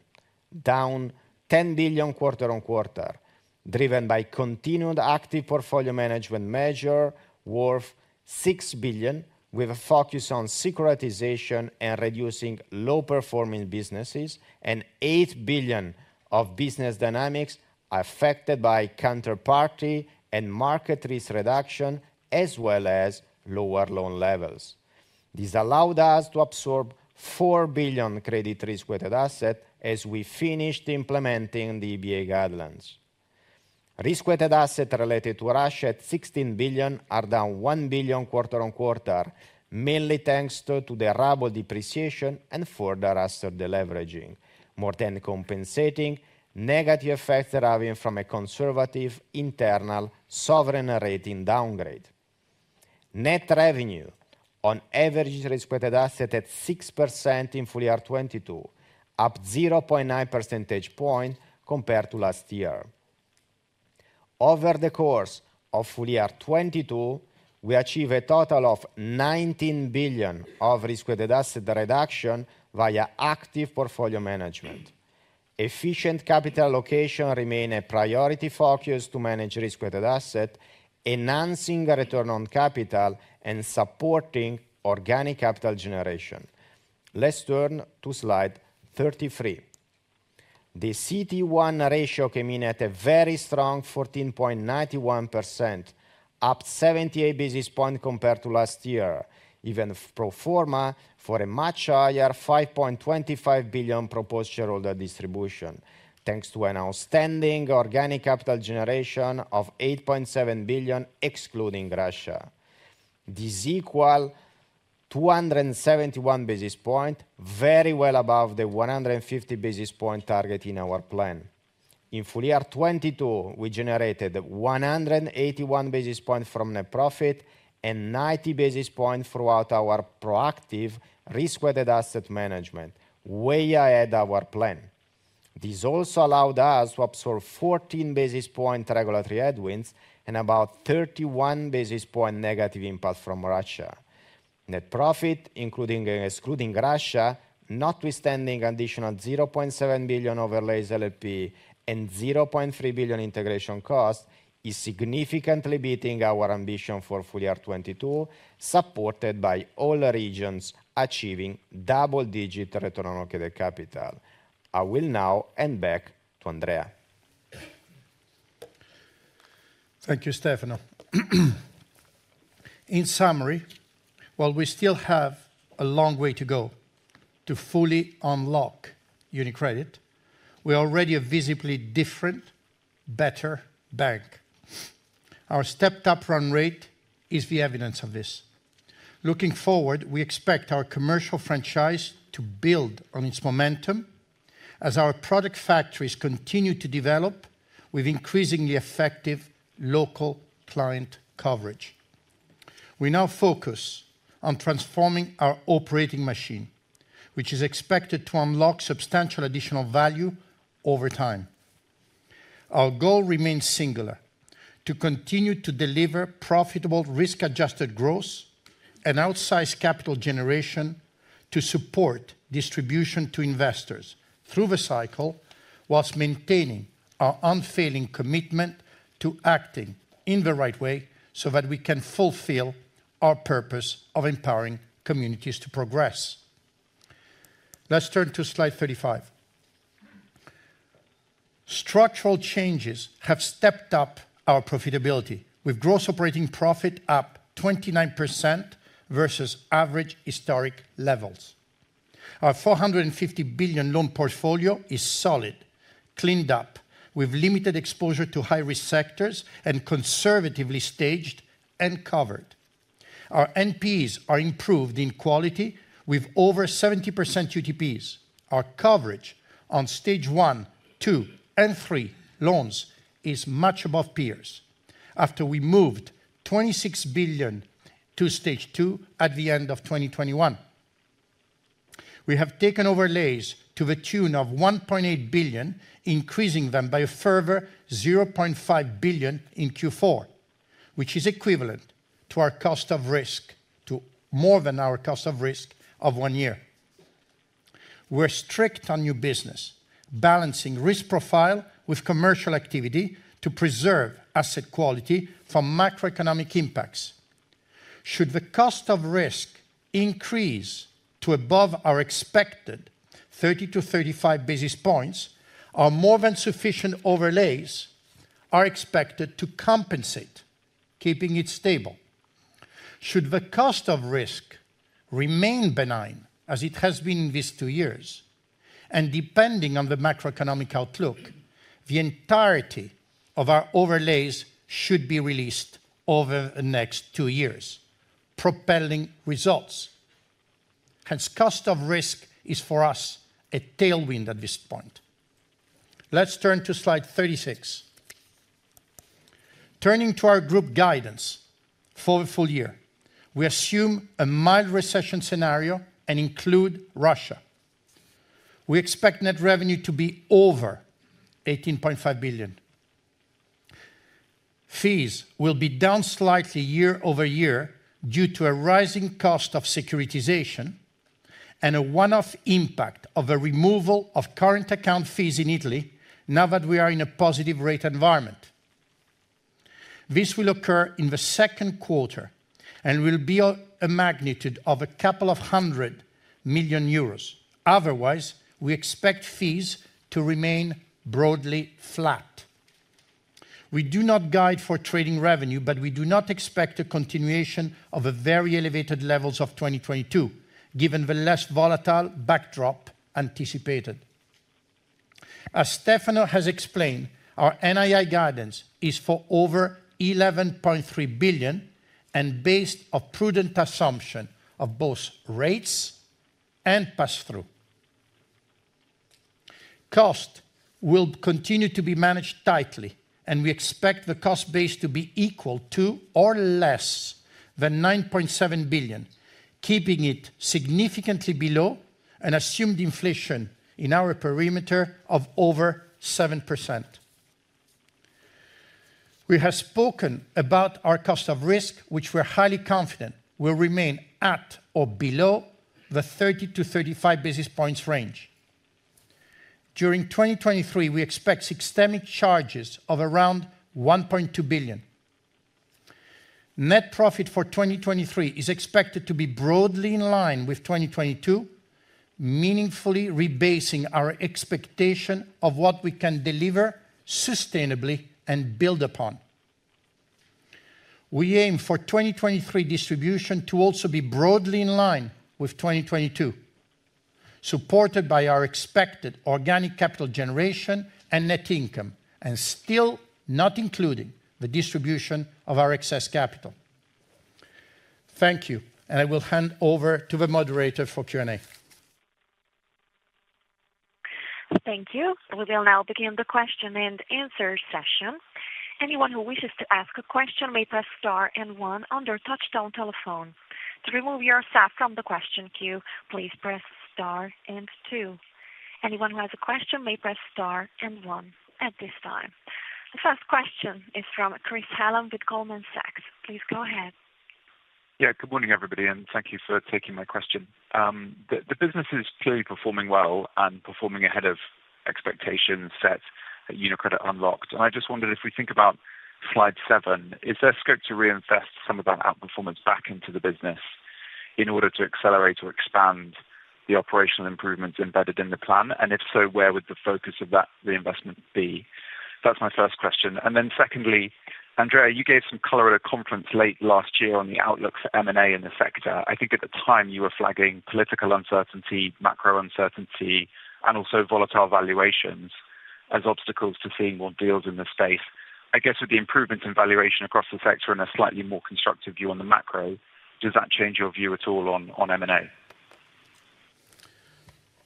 down 10 billion quarter-on-quarter, driven by continued active portfolio management measure worth 6 billion, with a focus on securitization and reducing low-performing businesses and 8 billion of business dynamics affected by counterparty and market risk reduction, as well as lower loan levels. This allowed us to absorb 4 billion credit risk-weighted asset as we finished implementing the EBA guidelines. Risk-weighted asset related to Russia at 16 billion are down 1 billion quarter-on-quarter, mainly thanks to the Ruble depreciation and further asset deleveraging, more than compensating negative effects deriving from a conservative internal sovereign rating downgrade. Net revenue on average risk-weighted asset at 6% in full year 2022, up 0.9 percentage point compared to last year. Over the course of full year 2022, we achieve a total of 19 billion of risk-weighted asset reduction via active portfolio management. Efficient capital allocation remain a priority focus to manage risk-weighted asset, enhancing return on capital and supporting Organic capital generation. Let's turn to slide 33. The CET1 ratio came in at a very strong 14.91%, up 78 basis point compared to last year, even pro forma for a much higher 5.25 billion proposed shareholder distribution, thanks to an outstanding Organic capital generation of 8.7 billion, excluding Russia. This equal 271 basis point, very well above the 150 basis point target in our plan. In full year 2022, we generated 181 basis point from net profit and 90 basis point throughout our proactive risk-weighted asset management, way ahead our plan. This also allowed us to absorb 14 basis point regulatory headwinds and about 31 basis point negative impact from Russia. Net profit, including, excluding Russia, notwithstanding additional 0.7 billion overlays LLP and 0.3 billion integration cost, is significantly beating our ambition for full year 2022, supported by all regions achieving double-digit return on equity capital. I will now hand back to Andrea. Thank you, Stefano. In summary, while we still have a long way to go to fully unlock UniCredit, we're already a visibly different, better bank. Our stepped up run rate is the evidence of this. Looking forward, we expect our commercial franchise to build on its momentum as our product factories continue to develop with increasingly effective local client coverage. We now focus on transforming our operating machine, which is expected to unlock substantial additional value over time. Our goal remains singular: to continue to deliver profitable risk-adjusted growth and outsized capital generation to support distribution to investors through the cycle, whilst maintaining our unfailing commitment to acting in the right way so that we can fulfill our purpose of empowering communities to progress. Let's turn to slide 35. Structural changes have stepped up our profitability, with gross operating profit up 29% versus average historic levels. Our 450 billion loan portfolio is solid, cleaned up, with limited exposure to high-risk sectors, and conservatively staged and covered. Our NPEs are improved in quality with over 70% UTPs. Our coverage on stage 1, 2, and 3 loans is much above peers after we moved 26 billion to stage two at the end of 2021. We have taken overlays to the tune of 1.8 billion, increasing them by a further 0.5 billion in Q4, which is equivalent to our cost of risk, to more than our cost of risk of one year. We're strict on new business, balancing risk profile with commercial activity to preserve asset quality from macroeconomic impacts. Should the cost of risk increase to above our expected 30-35 basis points, our more than sufficient overlays are expected to compensate, keeping it stable. Should the cost of risk remain benign as it has been these two years, and depending on the macroeconomic outlook, the entirety of our overlays should be released over the next two years, propelling results. Hence, cost of risk is for us a tailwind at this point. Let's turn to slide 36. Turning to our group guidance for the full year, we assume a mild recession scenario and include Russia. We expect net revenue to be over 18.5 billion. Fees will be down slightly year-over-year due to a rising cost of securitization and a one-off impact of the removal of current account fees in Italy now that we are in a positive rate environment. This will occur in the second quarter and will be a magnitude of 200 million euros. Otherwise, we expect fees to remain broadly flat. We do not guide for trading revenue. We do not expect a continuation of the very elevated levels of 2022, given the less volatile backdrop anticipated. As Stefano has explained, our NII guidance is for over 11.3 billion and based on prudent assumption of both rates and pass-through. Cost will continue to be managed tightly. We expect the cost base to be equal to or less than 9.7 billion, keeping it significantly below an assumed inflation in our perimeter of over 7%. We have spoken about our cost of risk, which we're highly confident will remain at or below the 30-35 basis points range. During 2023, we expect systemic charges of around 1.2 billion. Net profit for 2023 is expected to be broadly in line with 2022, meaningfully rebasing our expectation of what we can deliver sustainably and build upon. We aim for 2023 distribution to also be broadly in line with 2022, supported by our expected organic capital generation and net income, and still not including the distribution of our excess capital. Thank you. I will hand over to the moderator for Q&A. Thank you. We will now begin the question and answer session. Anyone who wishes to ask a question may press star and one on their touchtone telephone. To remove yourself from the question queue, please press star and two. Anyone who has a question may press star and one at this time. The first question is from Chris Hallam with Goldman Sachs. Please go ahead. Yeah, good morning, everybody, and thank you for taking my question. The business is clearly performing well and performing ahead of expectations set at UniCredit Unlocked. I just wondered if we think about slide 7, is there scope to reinvest some of that outperformance back into the business? In order to accelerate or expand the operational improvements embedded in the plan, and if so, where would the focus of that reinvestment be? That's my first question. Secondly, Andrea, you gave some color at a conference late last year on the outlook for M&A in the sector. I think at the time you were flagging political uncertainty, macro uncertainty, and also volatile valuations as obstacles to seeing more deals in the space. I guess with the improvements in valuation across the sector and a slightly more constructive view on the macro, does that change your view at all on M&A?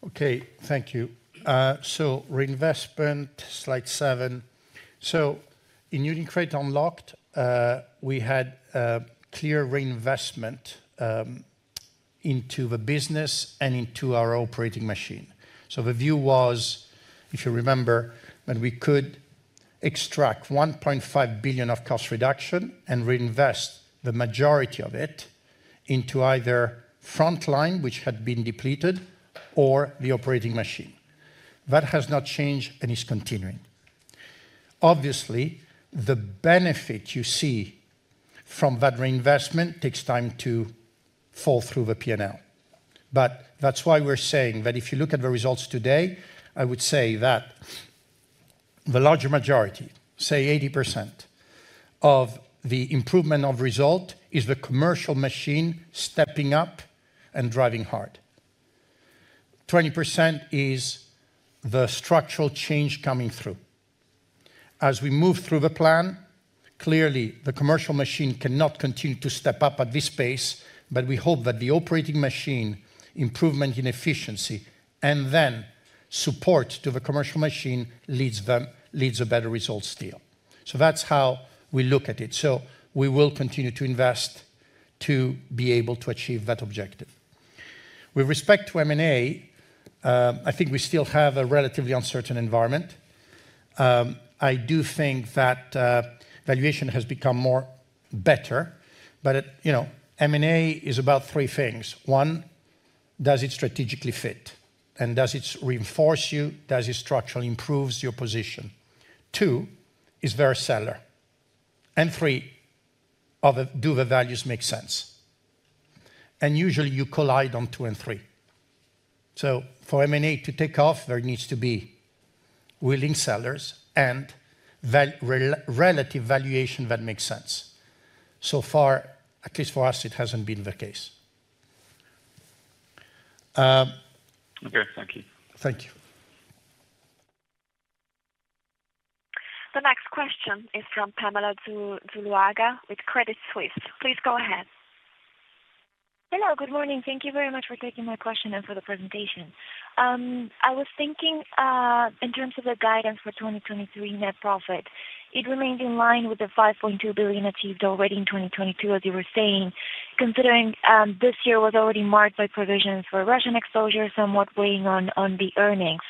Okay. Thank you. Reinvestment, slide 7. In UniCredit Unlocked, we had a clear reinvestment into the business and into our operating machine. The view was, if you remember, that we could extract 1.5 billion of cost reduction and reinvest the majority of it into either front line, which had been depleted, or the operating machine. That has not changed and is continuing. Obviously, the benefit you see from that reinvestment takes time to fall through the P&L. That's why we're saying that if you look at the results today, I would say that the larger majority, say 80% of the improvement of result, is the commercial machine stepping up and driving hard. 20% is the structural change coming through. Clearly the commercial machine cannot continue to step up at this pace, but we hope that the operating machine improvement in efficiency and then support to the commercial machine leads them, leads a better result still. That's how we look at it. We will continue to invest to be able to achieve that objective. With respect to M&A, I think we still have a relatively uncertain environment. I do think that valuation has become more better. You know, M&A is about three things. One, does it strategically fit, and does it reinforce you? Does it structurally improves your position? Two, is there a seller? Three, do the values make sense? Usually you collide on two and three. For M&A to take off, there needs to be willing sellers and relative valuation that makes sense. So far, at least for us, it hasn't been the case. Okay. Thank you. Thank you. The next question is from Pamela Zuluaga with Credit Suisse. Please go ahead. Hello, good morning. Thank you very much for taking my question and for the presentation. I was thinking in terms of the guidance for 2023 net profit, it remained in line with the 5.2 billion achieved already in 2022, as you were saying, considering this year was already marked by provisions for Russian exposure, somewhat weighing on the earnings.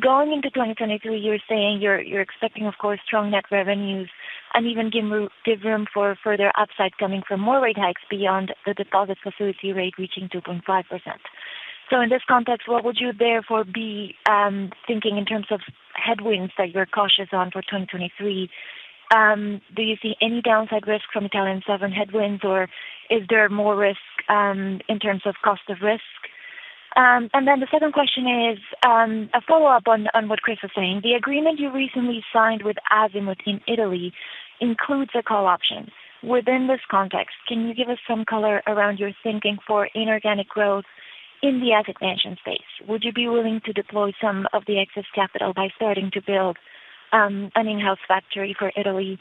Going into 2023, you're saying you're expecting, of course, strong net revenues and even give room for further upside coming from more rate hikes beyond the deposit facility rate reaching 2.5%. In this context, what would you therefore be thinking in terms of headwinds that you're cautious on for 2023? Do you see any downside risk from Italian sovereign headwinds, or is there more risk in terms of cost of risk? The second question is a follow-up on what Chris was saying. The agreement you recently signed with Azimut in Italy includes a call option. Within this context, can you give us some color around your thinking for inorganic growth in the asset management space? Would you be willing to deploy some of the excess capital by starting to build an in-house factory for Italy,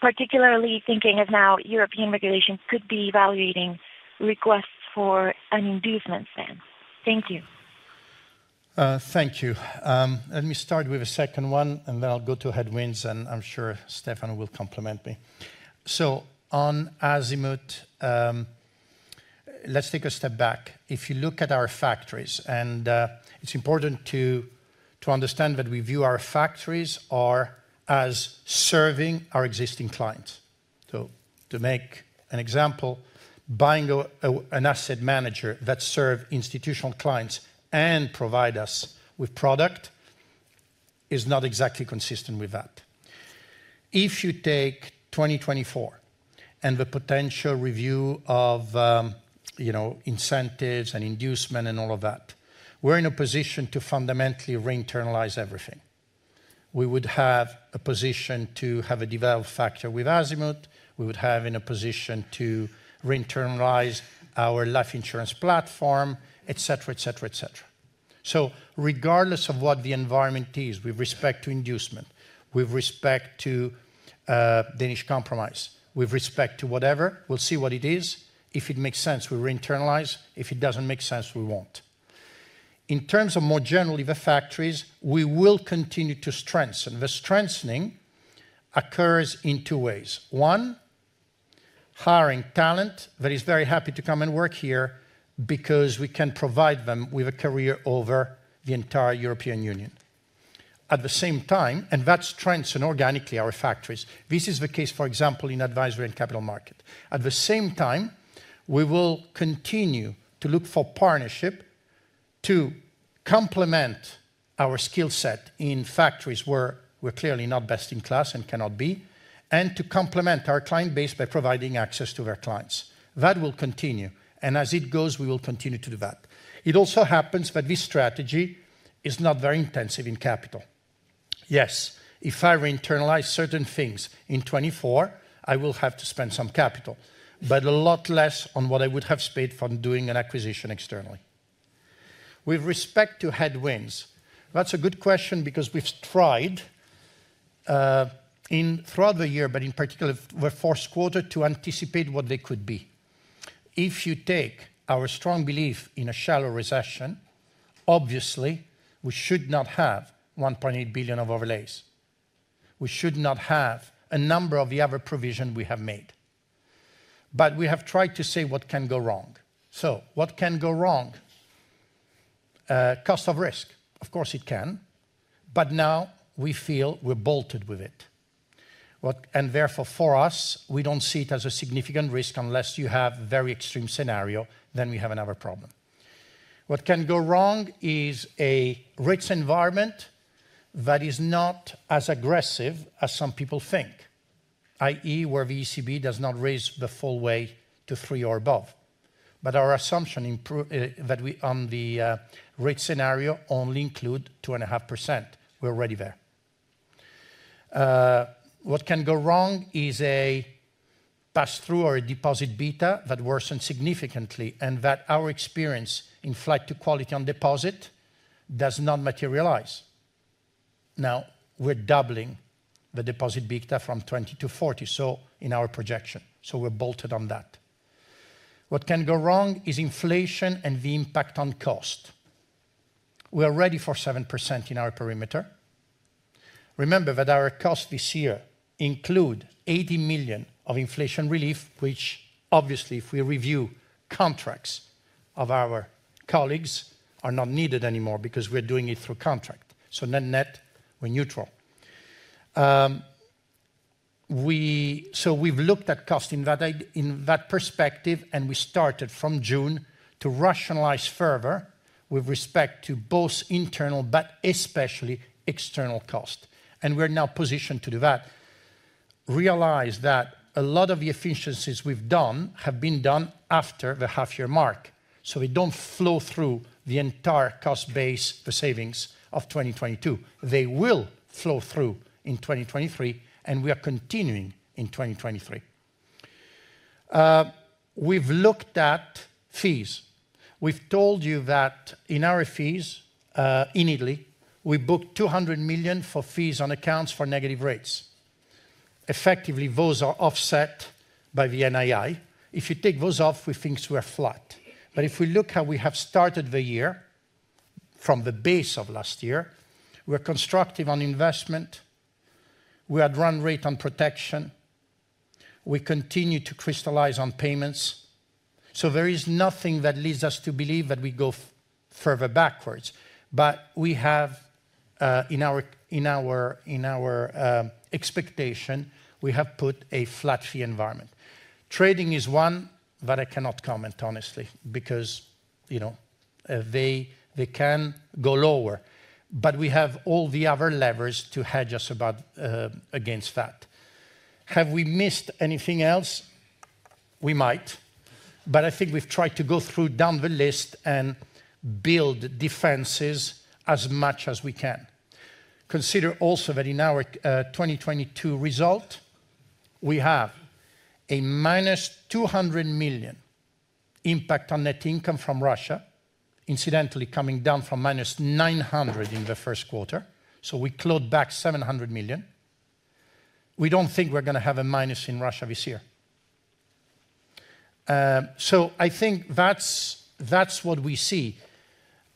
particularly thinking of how European regulation could be evaluating requests for an inducement? Thank you. Thank you. Let me start with the second one. Then I'll go to headwinds. I'm sure Stefano will complement me. On Azimut, let's take a step back. If you look at our factories, it's important to understand that we view our factories are as serving our existing clients. To make an example, buying an asset manager that serve institutional clients and provide us with product is not exactly consistent with that. If you take 2024 and the potential review of, you know, incentives and inducement and all of that, we're in a position to fundamentally re-internalize everything. We would have a position to have a developed factor with Azimut. We would have in a position to re-internalize our life insurance platform, etc, etc, etc. Regardless of what the environment is, with respect to inducement, with respect to Danish Compromise, with respect to whatever, we'll see what it is. If it makes sense, we re-internalize. If it doesn't make sense, we won't. In terms of more generally the factories, we will continue to strengthen. The strengthening occurs in two ways. One, hiring talent that is very happy to come and work here because we can provide them with a career over the entire European Union. At the same time, and that strengthen organically our factories. This is the case, for example, in advisory and capital market. At the same time, we will continue to look for partnership to complement our skill set in factories where we're clearly not best in class and cannot be, and to complement our client base by providing access to their clients. That will continue, and as it goes, we will continue to do that. It also happens that this strategy is not very intensive in capital. Yes, if I were to internalize certain things in 2024, I will have to spend some capital, but a lot less on what I would have spent from doing an acquisition externally. With respect to headwinds, that's a good question because we've tried throughout the year, but in particular the first quarter, to anticipate what they could be. If you take our strong belief in a shallow recession, obviously, we should not have 1.8 billion of overlays. We should not have a number of the other provision we have made. We have tried to say what can go wrong. What can go wrong? cost of risk, of course it can, but now we feel we're bolted with it. Therefore for us, we don't see it as a significant risk unless you have very extreme scenario, then we have another problem. What can go wrong is a rich environment that is not as aggressive as some people think, i.e., where the ECB does not raise the full way to 3 or above. Our assumption that we on the rate scenario only include 2.5%. We're already there. What can go wrong is a pass-through or a deposit beta that worsens significantly and that our experience in flight to quality on deposit does not materialize. We're doubling the deposit beta from 20-40, so in our projection. We're bolted on that. What can go wrong is inflation and the impact on cost. We're ready for 7% in our perimeter. Remember that our cost this year include 80 million of inflation relief, which obviously, if we review contracts of our colleagues are not needed anymore because we're doing it through contract. Net-net, we're neutral. We've looked at cost in that perspective, and we started from June to rationalize further with respect to both internal but especially external cost. We're now positioned to do that. Realize that a lot of the efficiencies we've done have been done after the half year mark, so they don't flow through the entire cost base for savings of 2022. They will flow through in 2023, and we are continuing in 2023. We've looked at fees. We've told you that in our fees, in Italy, we booked 200 million for fees on accounts for negative rates. Effectively, those are offset by the NII. If you take those off, we think we're flat. If we look how we have started the year from the base of last year, we are constructive on investment, we had run rate on protection, we continue to crystallize on payments. There is nothing that leads us to believe that we go further backwards. We have in our expectation, we have put a flat fee environment. Trading is one that I cannot comment, honestly, because, you know, they can go lower. We have all the other levers to hedge us about against that. Have we missed anything else? We might, but I think we've tried to go through down the list and build defenses as much as we can. Consider also that in our 2022 result, we have a -200 million impact on net income from Russia, incidentally coming down from -900 million in the first quarter. We closed back 700 million. We don't think we're gonna have a minus in Russia this year. I think that's what we see.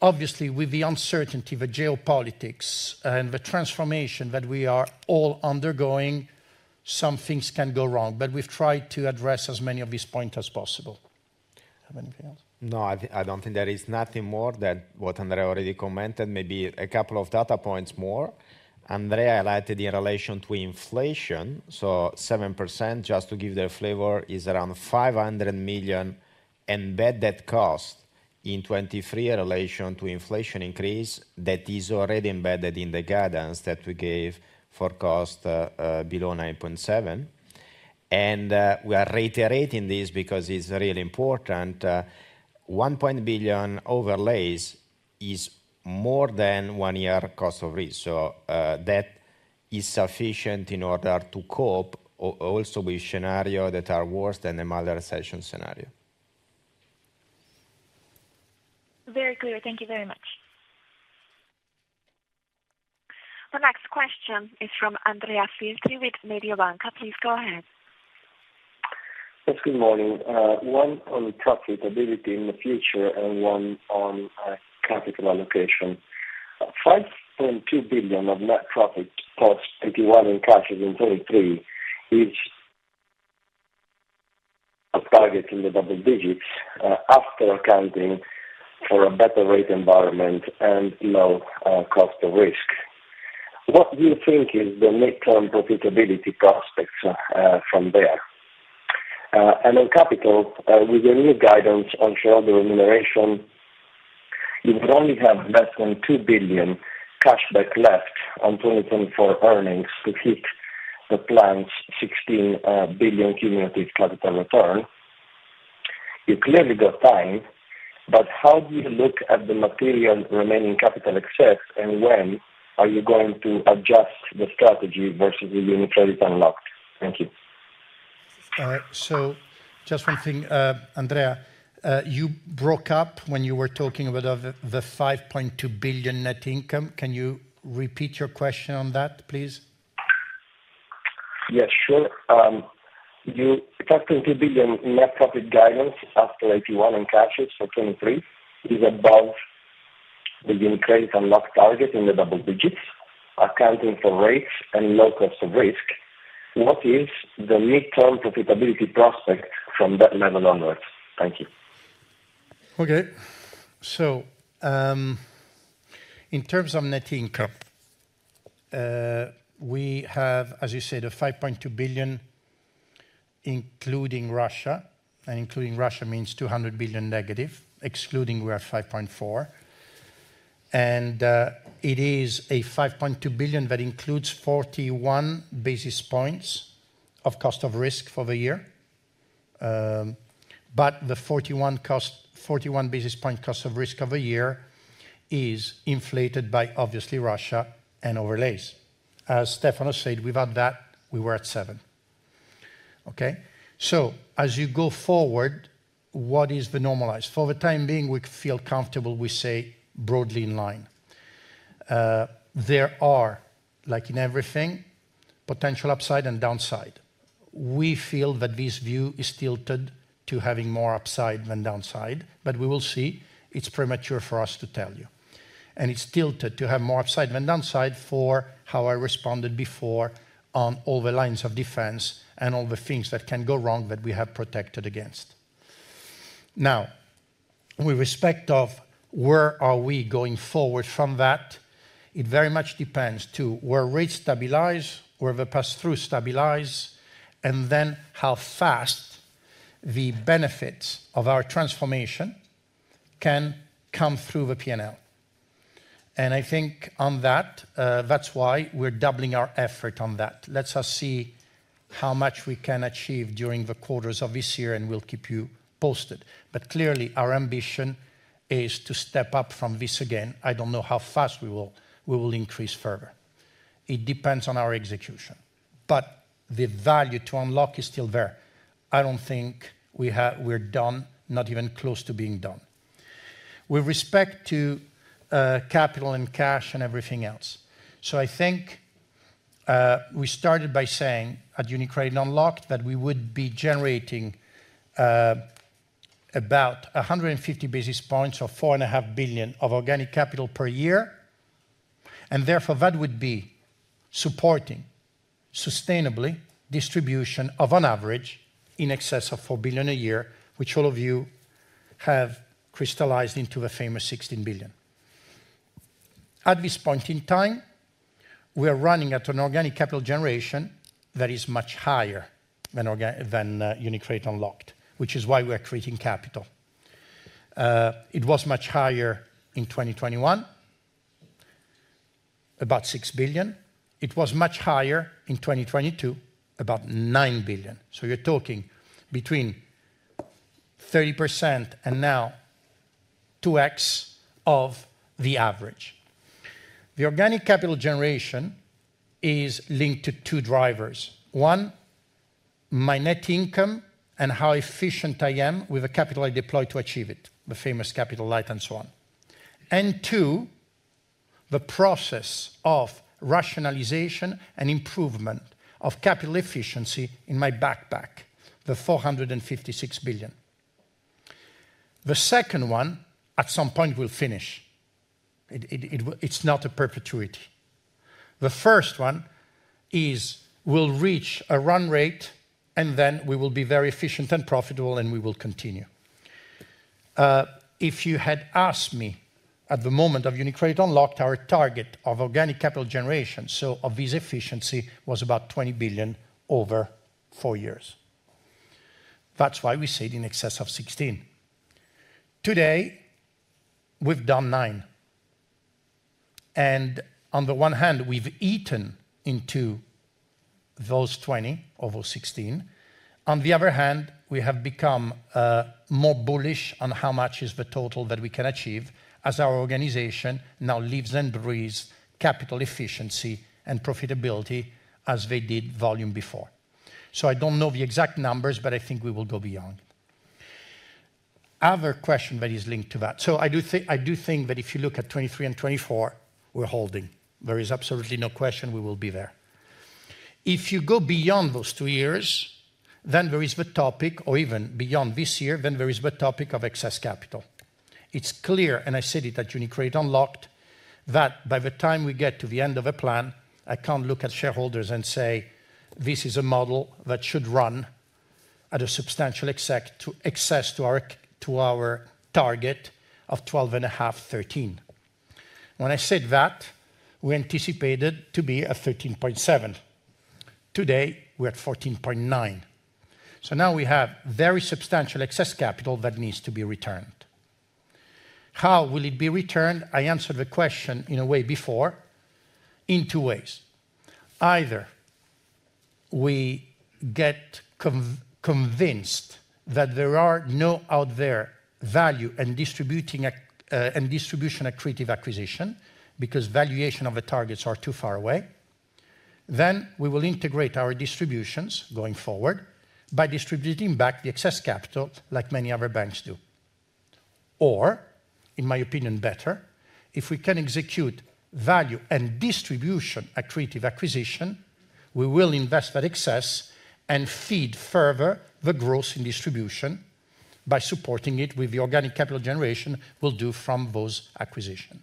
Obviously, with the uncertainty, the geopolitics, and the transformation that we are all undergoing, some things can go wrong, we've tried to address as many of these point as possible. Do you have anything else? I don't think there is nothing more than what Andrea already commented, maybe a couple of data points more. Andrea highlighted in relation to inflation, 7%, just to give the flavor, is around 500 million embedded cost in 2023 in relation to inflation increase that is already embedded in the guidance that we gave for cost below 9.7%. We are reiterating this because it's really important. 1 billion overlays is more than one year cost of risk. That is sufficient in order to cope also with scenario that are worse than a mild recession scenario. Very clear. Thank you very much. The next question is from Andrea Filtri with Mediobanca. Please go ahead. Yes, good morning. One on profitability in the future and one on capital allocation. 5.2 billion of net profit plus 81 in cash in 2023 is a target in the double digits after accounting for a better rate environment and low cost of risk. What do you think is the midterm profitability prospects from there? On capital, with the new guidance on shareholder remuneration, you would only have less than 2 billion cash back left on 2024 earnings to hit the planned 16 billion cumulative capital return. You clearly got time, how do you look at the material remaining capital excess and when are you going to adjust the strategy versus the UniCredit Unlocked? Thank you. Just one thing, Andrea, you broke up when you were talking about the 5.2 billion net income. Can you repeat your question on that, please? Yes, sure. You talked of the 1 billion net profit guidance after AT1 and cash AT1 for 2023 is above the UniCredit Unlocked target in the double digits, accounting for rates and low cost of risk. What is the midterm profitability prospect from that level onwards? Thank you. Okay. In terms of net income, we have, as you said, a 5.2 billion, including Russia, and including Russia means 200 billion negative, excluding we're at 5.4 billion. It is a 5.2 billion that includes 41 basis points of cost of risk for the year. But the 41 basis point cost of risk of the year is inflated by obviously Russia and overlays. As Stefano said, without that, we were at seven basis points. Okay. As you go forward, what is the normalized? For the time being, we feel comfortable, we say broadly in line. There are, like in everything, potential upside and downside. We feel that this view is tilted to having more upside than downside, but we will see it's premature for us to tell you. It's tilted to have more upside than downside for how I responded before on all the lines of defense and all the things that can go wrong that we have protected against. Now, with respect to where are we going forward from that, it very much depends to where rates stabilize, where the pass-through stabilize, and then how fast the benefits of our transformation can come through the P&L. I think on that's why we're doubling our effort on that. Let us see how much we can achieve during the quarters of this year, and we'll keep you posted. Clearly, our ambition is to step up from this again. I don't know how fast we will increase further. It depends on our execution. The value to unlock is still there. I don't think we're done, not even close to being done. With respect to capital and cash and everything else. I think we started by saying at UniCredit Unlocked that we would be generating about 150 basis points or 4.5 billion of organic capital per year, and therefore that would be supporting sustainably distribution of on average in excess of 4 billion a year, which all of you have crystallized into the famous 16 billion. At this point in time, we are running at an organic capital generation that is much higher than UniCredit Unlocked, which is why we are creating capital. It was much higher in 2021, about 6 billion. It was much higher in 2022, about 9 billion. You're talking between 30% and now 2x of the average. The organic capital generation is linked to two drivers. One, my net income and how efficient I am with the capital I deploy to achieve it, the famous capital light and so on. And two, the process of rationalization and improvement of capital efficiency in my backpack, the 456 billion. The second one, at some point will finish. It's not a perpetuity. The first one is we'll reach a run rate, and then we will be very efficient and profitable, and we will continue. If you had asked me at the moment of UniCredit Unlocked, our target of organic capital generation, so of this efficiency was about 20 billion over four years. That's why we said in excess of 16 billion. Today we've done 9 and on the one hand, we've eaten into those 20 over 16. On the other hand, we have become more bullish on how much is the total that we can achieve as our organization now lives and breathes capital efficiency and profitability as they did volume before. I don't know the exact numbers, but I think we will go beyond. Other question that is linked to that. I do think that if you look at 2023 and 2024, we're holding. There is absolutely no question we will be there. If you go beyond those two years, then there is the topic, or even beyond this year, then there is the topic of excess capital. It's clear, and I said it at UniCredit Unlocked, that by the time we get to the end of a plan, I can't look at shareholders and say, "This is a model that should run at a substantial to excess to our target of 12.5, 13." When I said that, we anticipated to be at 13.7. Today, we're at 14.9. Now we have very substantial excess capital that needs to be returned. How will it be returned? I answered the question in a way before, in two ways. Either we get convinced that there are no out there value and distributing a and distribution accretive acquisition because valuation of the targets are too far away, then we will integrate our distributions going forward by distributing back the excess capital like many other banks do. In my opinion, better, if we can execute value and distribution accretive acquisition, we will invest that excess and feed further the growth in distribution by supporting it with the organic capital generation we'll do from those acquisition.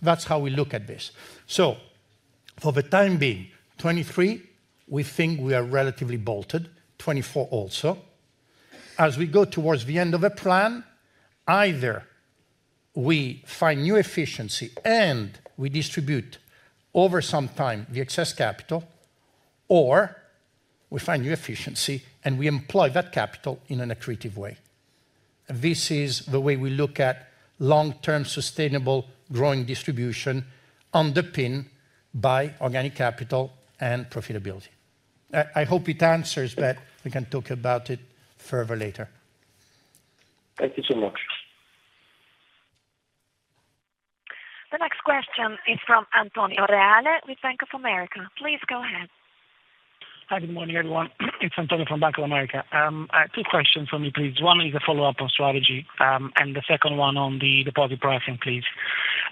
That's how we look at this. For the time being, 2023, we think we are relatively bolted, 2024 also. As we go towards the end of the plan, either we find new efficiency and we distribute over some time the excess capital, or we find new efficiency and we employ that capital in an accretive way. This is the way we look at long-term sustainable growing distribution underpinned by organic capital and profitability. I hope it answers, but we can talk about it further later. Thank you so much. The next question is from Antonio Reale with Bank of America. Please go ahead. Hi, good morning, everyone. It's Antonio from Bank of America. I have two questions from me, please. One is a follow-up on strategy, and the second one on the deposit pricing, please.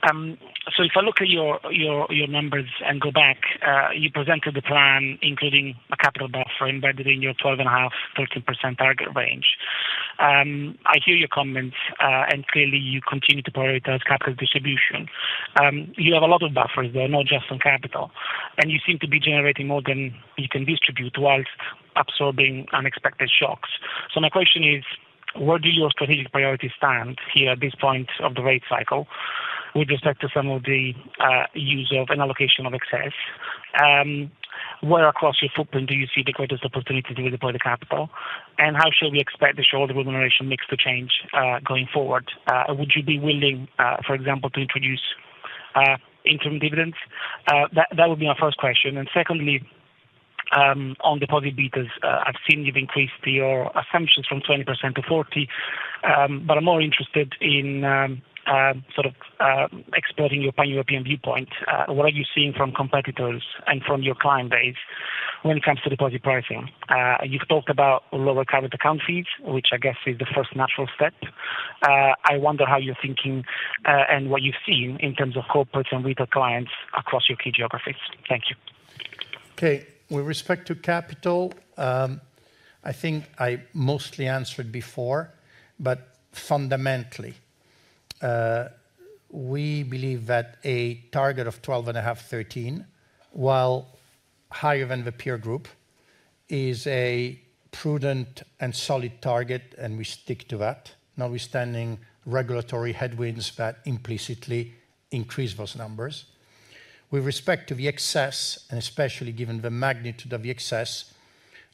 If I look at your numbers and go back, you presented the plan including a capital buffer embedded in your 12.5%-13% target range. I hear your comments, and clearly you continue to prioritize capital distribution. You have a lot of buffers there, not just on capital, and you seem to be generating more than you can distribute whilst absorbing unexpected shocks. My question is: Where do your strategic priorities stand here at this point of the rate cycle with respect to some of the use of and allocation of excess? Where across your footprint do you see the greatest opportunity to deploy the capital? How should we expect the shareholder remuneration mix to change going forward? Would you be willing, for example, to introduce interim dividends? That would be my first question. Secondly, on deposit betas, I've seen you've increased your assumptions from 20%-40%, but I'm more interested in sort of exploring your pan-European viewpoint. What are you seeing from competitors and from your client base when it comes to deposit pricing? You've talked about lower current account fees, which I guess is the first natural step. I wonder how you're thinking and what you're seeing in terms of corporate and retail clients across your key geographies. Thank you. With respect to capital, I think I mostly answered before, but fundamentally, we believe that a target of 12.5, 13, while higher than the peer group, is a prudent and solid target, and we stick to that, notwithstanding regulatory headwinds that implicitly increase those numbers. With respect to the excess, and especially given the magnitude of the excess,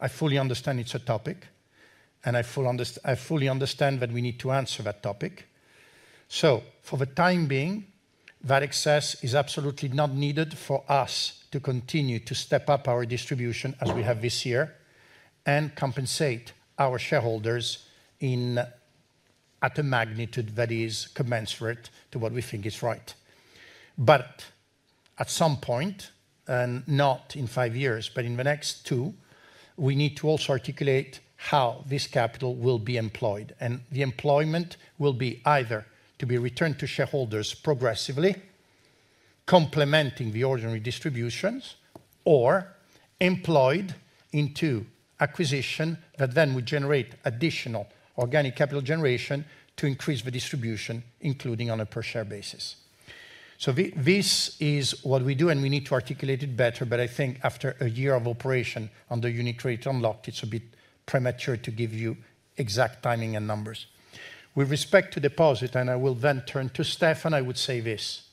I fully understand it's a topic, and I fully understand that we need to answer that topic. For the time being, that excess is absolutely not needed for us to continue to step up our distribution as we have this year and compensate our shareholders at a magnitude that is commensurate to what we think is right. At some point, and not in five years, but in the next two, we need to also articulate how this capital will be employed. The employment will be either to be returned to shareholders progressively, complementing the ordinary distributions, or employed into acquisition that then would generate additional organic capital generation to increase the distribution, including on a per share basis. This is what we do, and we need to articulate it better. I think after a year of operation on the UniCredit Unlocked, it's a bit premature to give you exact timing and numbers. With respect to deposit, and I will then turn to Stefano, I would say this.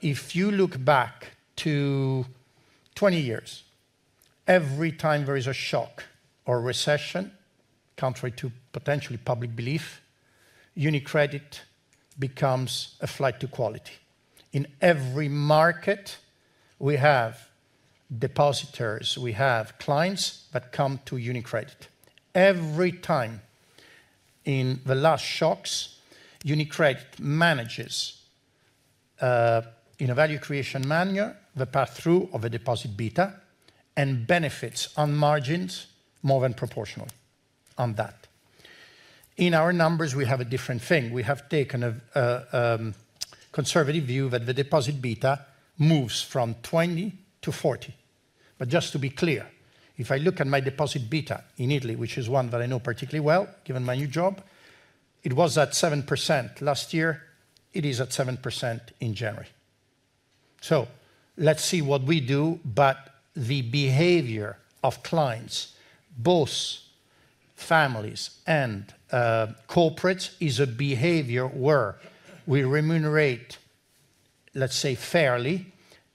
If you look back to 20 years, every time there is a shock or recession, contrary to potentially public belief, UniCredit becomes a flight to quality. In every market, we have depositors, we have clients that come to UniCredit. Every time in the last shocks, UniCredit manages in a value creation manner, the pass-through of a deposit beta and benefits on margins more than proportional on that. In our numbers, we have a different thing. We have taken a conservative view that the deposit beta moves from 20%-40%. Just to be clear, if I look at my deposit beta in Italy, which is one that I know particularly well, given my new job, it was at 7% last year. It is at 7% in January. Let's see what we do. The behavior of clients, both families and corporates, is a behavior where we remunerate, let's say, fairly,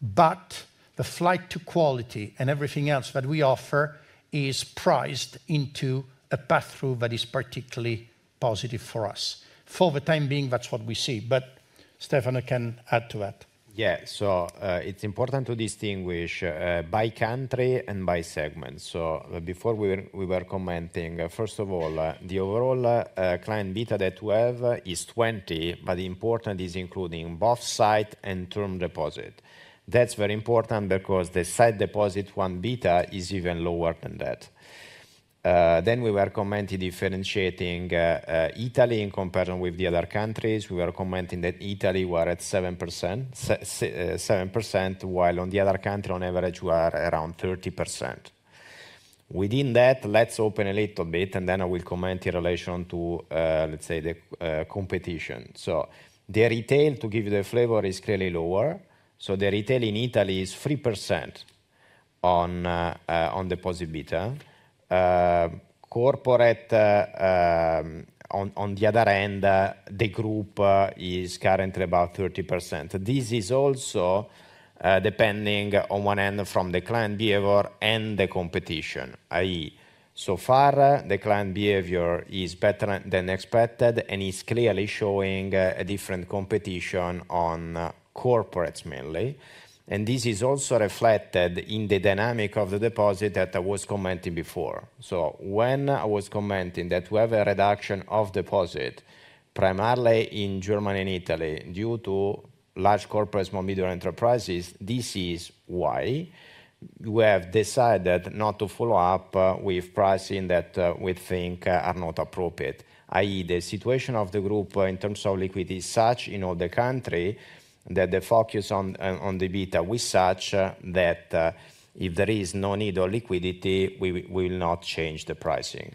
but the flight to quality and everything else that we offer is priced into a path through that is particularly positive for us. For the time being, that's what we see. Stefano can add to that. It's important to distinguish by country and by segment. Before we were commenting, first of all, the overall client beta that we have is 20, but important is including both sight and term deposit. That's very important because the sight deposit, one, beta is even lower than that. Then we were commenting differentiating Italy in comparison with the other countries. We were commenting that Italy were at 7%, while on the other country, on average, we are around 30%. Within that, let's open a little bit and then I will comment in relation to, let's say the competition. The retail, to give you the flavor, is clearly lower. The retail in Italy is 3% on deposit beta. Corporate, on the other hand, the group is currently about 30%. This is also depending on one hand from the client behavior and the competition, i.e., so far the client behavior is better than expected and is clearly showing a different competition on corporates mainly. This is also reflected in the dynamic of the deposit that I was commenting before. When I was commenting that we have a reduction of deposit primarily in Germany and Italy due to large corporates, small-medium enterprises, this is why we have decided not to follow up with pricing that we think are not appropriate. I.e., the situation of the group in terms of liquidity is such in all the country that the focus on the beta was such that if there is no need of liquidity, we will not change the pricing.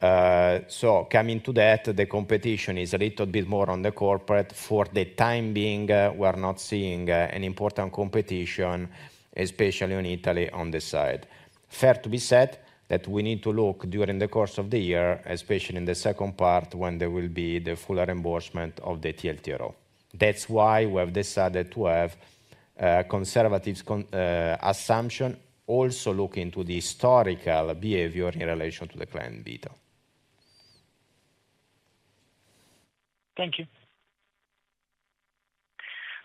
Coming to that, the competition is a little bit more on the corporate. For the time being, we are not seeing an important competition, especially on Italy on this side. Fair to be said that we need to look during the course of the year, especially in the second part, when there will be the full reimbursement of the TLTRO. That's why we have decided to have conservatives assumption, also look into the historical behavior in relation to the client beta. Thank you.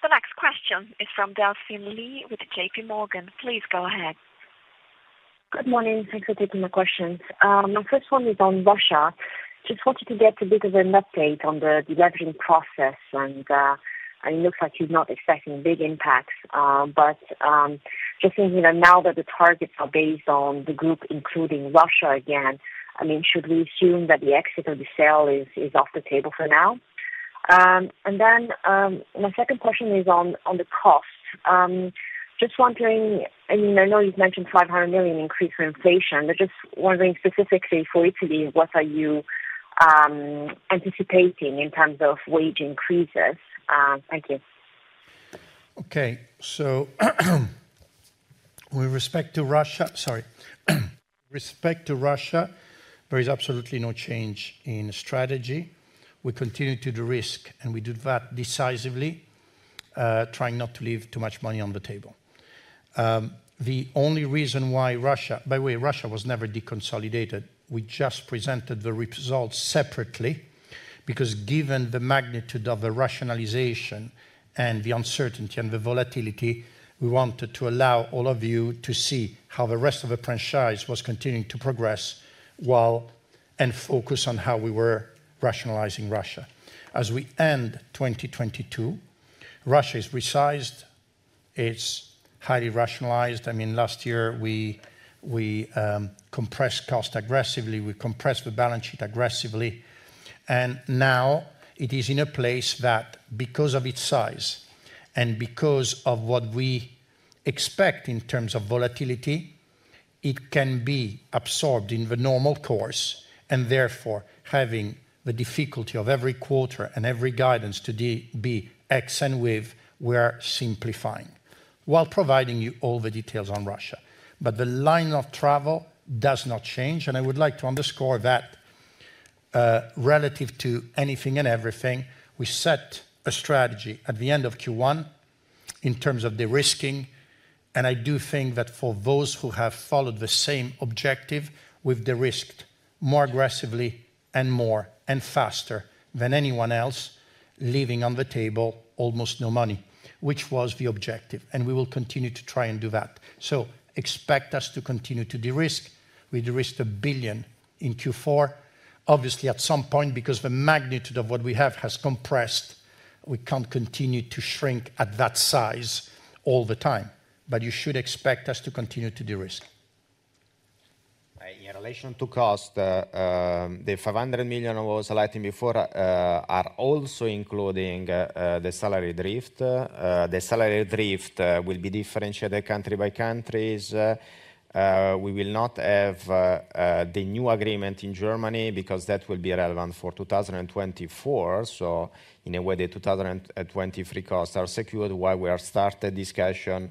The next question is from Delphine Lee with JPMorgan. Please go ahead. Good morning. Thanks for taking my questions. My first one is on Russia. Just wanted to get a bit of an update on the de-leveraging process and it looks like you're not expecting big impacts. You know, now that the targets are based on the group, including Russia again, I mean, should we assume that the exit of the sale is off the table for now? Then, my second question is on the cost. Just wondering, I mean, I know you've mentioned 500 million increase for inflation. Just wondering specifically for Italy, what are you anticipating in terms of wage increases? Thank you. With respect to Russia, there is absolutely no change in strategy. We continue to de-risk, and we do that decisively, trying not to leave too much money on the table. By the way, Russia was never deconsolidated. We just presented the results separately, because given the magnitude of the rationalization and the uncertainty and the volatility, we wanted to allow all of you to see how the rest of the franchise was continuing to progress and focus on how we were rationalizing Russia. As we end 2022, Russia is resized, it's highly rationalized. I mean, last year we compressed cost aggressively. We compressed the balance sheet aggressively. Now it is in a place that because of its size and because of what we expect in terms of volatility, it can be absorbed in the normal course. Therefore, having the difficulty of every quarter and every guidance, we are simplifying while providing you all the details on Russia. The line of travel does not change, and I would like to underscore that relative to anything and everything, we set a strategy at the end of Q1 in terms of de-risking, and I do think that for those who have followed the same objective, we've de-risked more aggressively and more and faster than anyone else, leaving on the table almost no money, which was the objective, and we will continue to try and do that. Expect us to continue to de-risk. We de-risked 1 billion in Q4. At some point, because the magnitude of what we have has compressed, we can't continue to shrink at that size all the time, but you should expect us to continue to de-risk. In relation to cost, the 500 million I was highlighting before, are also including the salary drift. The salary drift will be differentiated country by countries. We will not have the new agreement in Germany because that will be relevant for 2024. In a way, the 2023 costs are secured while we are start a discussion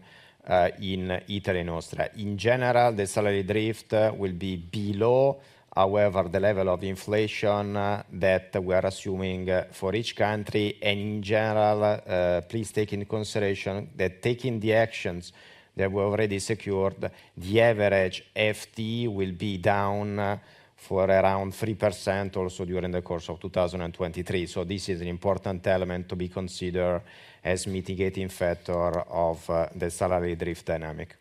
in Italy and Austria. In general, the salary drift will be below. However, the level of inflation that we are assuming for each country and in general, please take into consideration that taking the actions that were already secured, the average FT will be down for around 3% also during the course of 2023. This is an important element to be considered as mitigating factor of the salary drift dynamic.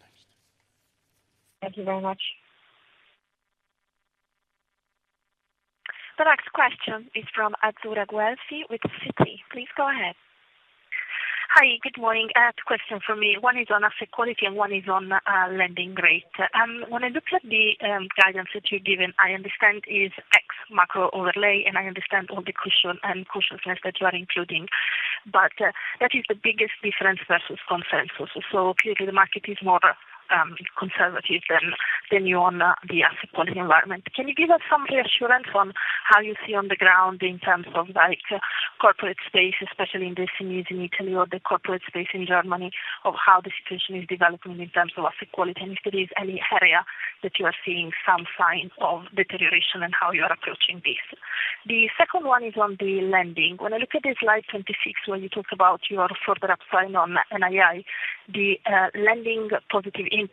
Thanks. Thank you very much. The next question is from Azzurra Guelfi with Citi. Please go ahead. Hi, good morning. I have two question for me. One is on asset quality and one is on lending rate. When I look at the guidance that you've given, I understand it is ex macro overlay. I understand all the caution and cautiousness that you are including. That is the biggest difference versus consensus. Clearly the market is more conservative than you on the asset quality environment. Can you give us some reassurance on how you see on the ground in terms of like corporate space, especially in the SMEs in Italy or the corporate space in Germany, of how the situation is developing in terms of asset quality? If there is any area that you are seeing some sign of deterioration and how you are approaching this? The second one is on the lending. When I look at the slide 26, when you talk about your further upside on NII, the lending positive impact is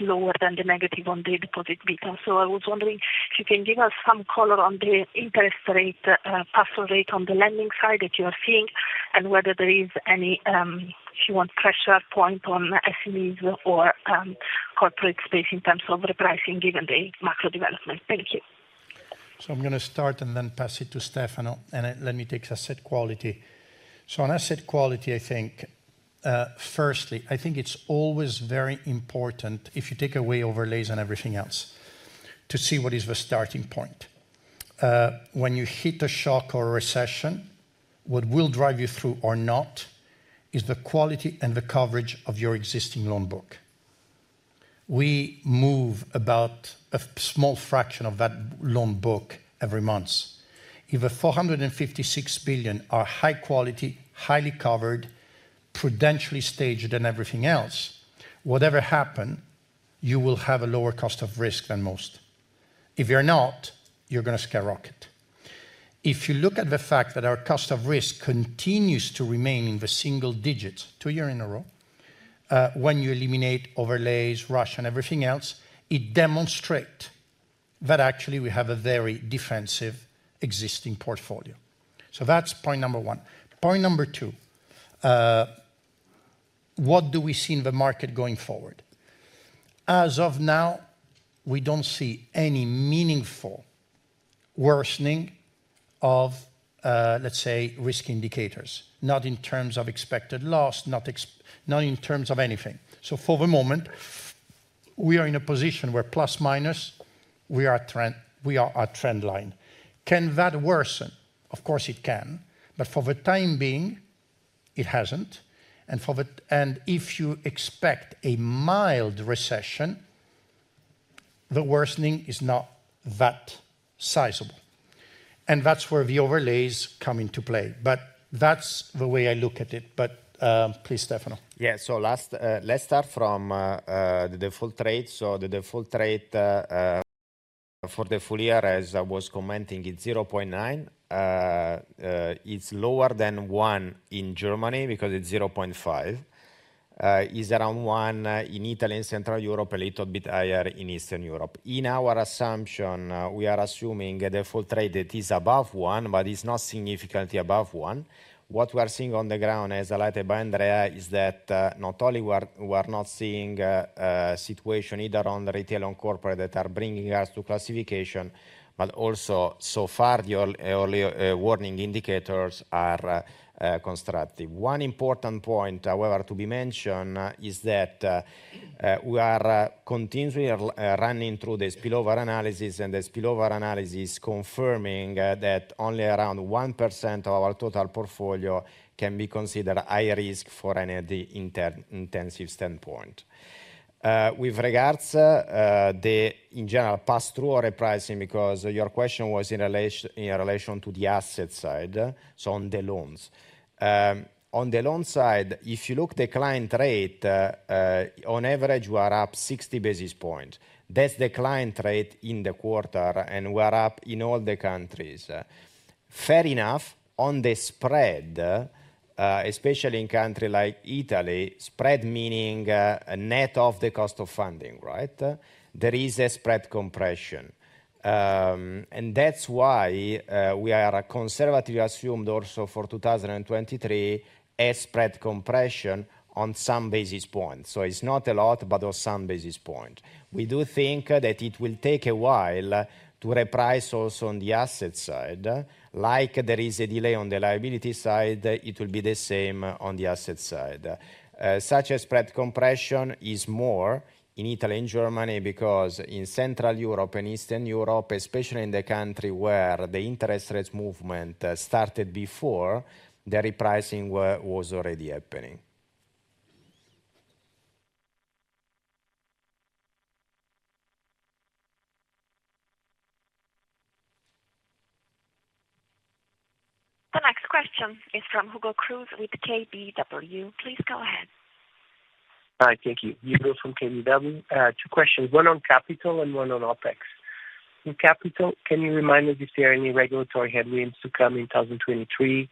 lower than the negative on the deposit beta. I was wondering if you can give us some color on the interest rate pass rate on the lending side that you are seeing and whether there is any, if you want, pressure point on SMEs or corporate space in terms of repricing given the macro development. Thank you. I'm gonna start and then pass it to Stefano. Let me take asset quality. On asset quality, I think, firstly, I think it's always very important, if you take away overlays and everything else, to see what is the starting point. When you hit a shock or a recession, what will drive you through or not is the quality and the coverage of your existing loan book. We move about a small fraction of that loan book every month. If a 456 billion are high quality, highly covered, prudentially staged and everything else, whatever happen, you will have a lower cost of risk than most. If you're not, you're gonna skyrocket. If you look at the fact that our cost of risk continues to remain in the single digits two year in a row, when you eliminate overlays, rush, and everything else, it demonstrates that actually we have a very defensive existing portfolio. That's point number 1. Point number 2, what do we see in the market going forward? As of now, we don't see any meaningful worsening of, let's say, risk indicators, not in terms of expected loss, not in terms of anything. For the moment, we are in a position where plus minus we are trend, we are a trend line. Can that worsen? Of course it can, but for the time being, it hasn't. If you expect a mild recession, the worsening is not that sizable. That's where the overlays come into play. That's the way I look at it. Please, Stefano. Yeah. Last, let's start from the default rates. The default rate for the full year, as I was commenting, it's 0.9. It's lower than one in Germany because it's 0.5. It's around one in Italy and Central Europe, a little bit higher in Eastern Europe. In our assumption, we are assuming the default rate it is above 1, but it's not significantly above 1. What we are seeing on the ground, as highlighted by Andrea, is that not only we are not seeing a situation either on the retail and corporate that are bringing us to classification, but also so far the early warning indicators are constructive. One important point, however, to be mentioned is that we are continually running through the spillover analysis, and the spillover analysis confirming that only around 1% of our total portfolio can be considered high risk for energy-intensive standpoint. With regards the, in general, pass-through or repricing, because your question was in relation to the asset side, so on the loans. On the loan side, if you look the client rate, on average we are up 60 basis point. That's the client rate in the quarter, and we are up in all the countries. Fair enough, on the spread, especially in country like Italy, spread, meaning net of the cost of funding, right? There is a spread compression. That's why we are conservatively assumed also for 2023, a spread compression on some basis points. It's not a lot, but on some basis point. We do think that it will take a while to reprice also on the asset side. Like there is a delay on the liability side, it will be the same on the asset side. Such a spread compression is more in Italy and Germany because in Central Europe and Eastern Europe, especially in the country where the interest rates movement started before, the repricing was already happening. The next question is from Hugo Cruz with KBW. Please go ahead. Hi. Thank you. Hugo from KBW. Two questions, one on capital and one on OpEx. In capital, can you remind us if there are any regulatory headwinds to come in 2023,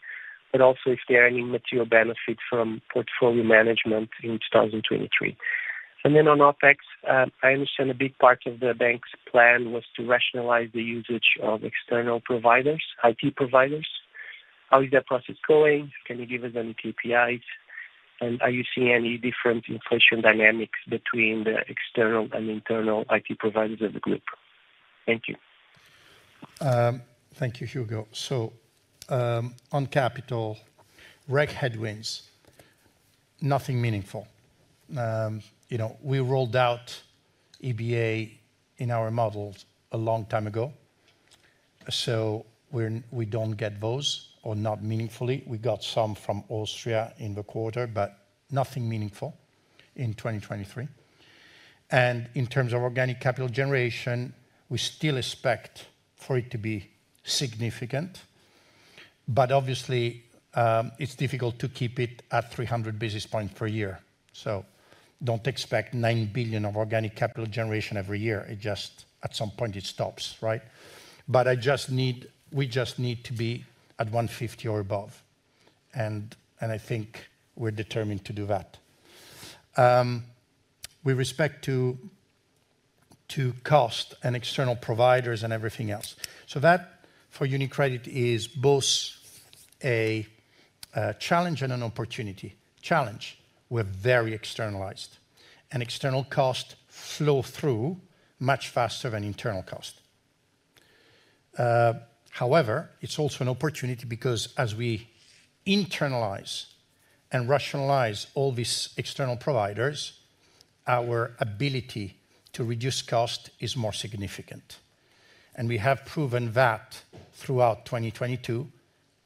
but also if there are any material benefits from portfolio management in 2023? On OpEx, I understand a big part of the bank's plan was to rationalize the usage of external providers, IT providers. How is that process going? Can you give us any KPIs? Are you seeing any different inflation dynamics between the external and internal IT providers of the group? Thank you. Thank you, Hugo. On capital reg headwinds, nothing meaningful. You know, we rolled out EBA in our models a long time ago, we don't get those or not meaningfully. We got some from Austria in the quarter, but nothing meaningful in 2023. In terms of organic capital generation, we still expect for it to be significant. Obviously, it's difficult to keep it at 300 basis points per year. Don't expect 9 billion of organic capital generation every year. It just at some point it stops, right? We just need to be at 150 or above, and I think we're determined to do that. With respect to cost and external providers and everything else. That for UniCredit is both a challenge and an opportunity. Challenge, we're very externalized, and external costs flow through much faster than internal cost. However, it's also an opportunity because as we internalize and rationalize all these external providers, our ability to reduce cost is more significant. We have proven that throughout 2022,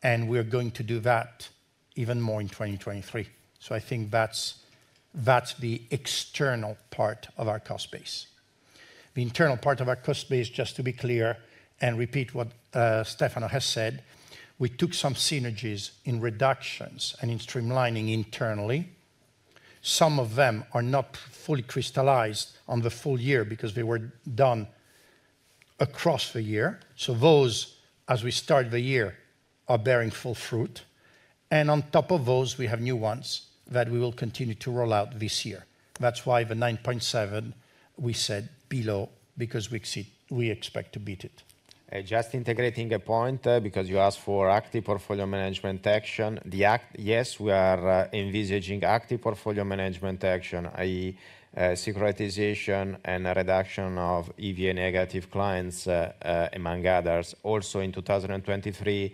and we're going to do that even more in 2023. I think that's the external part of our cost base. The internal part of our cost base, just to be clear, and repeat what Stefano has said, we took some synergies in reductions and in streamlining internally. Some of them are not fully crystallized on the full year because they were done across the year. Those, as we start the year, are bearing full fruit. On top of those, we have new ones that we will continue to roll out this year. That's why the 9.7 we said below, because we expect to beat it. Just integrating a point, because you asked for active portfolio management action. The act, yes, we are envisaging active portfolio management action, i.e., securitization and a reduction of EVA negative clients, among others, also in 2023.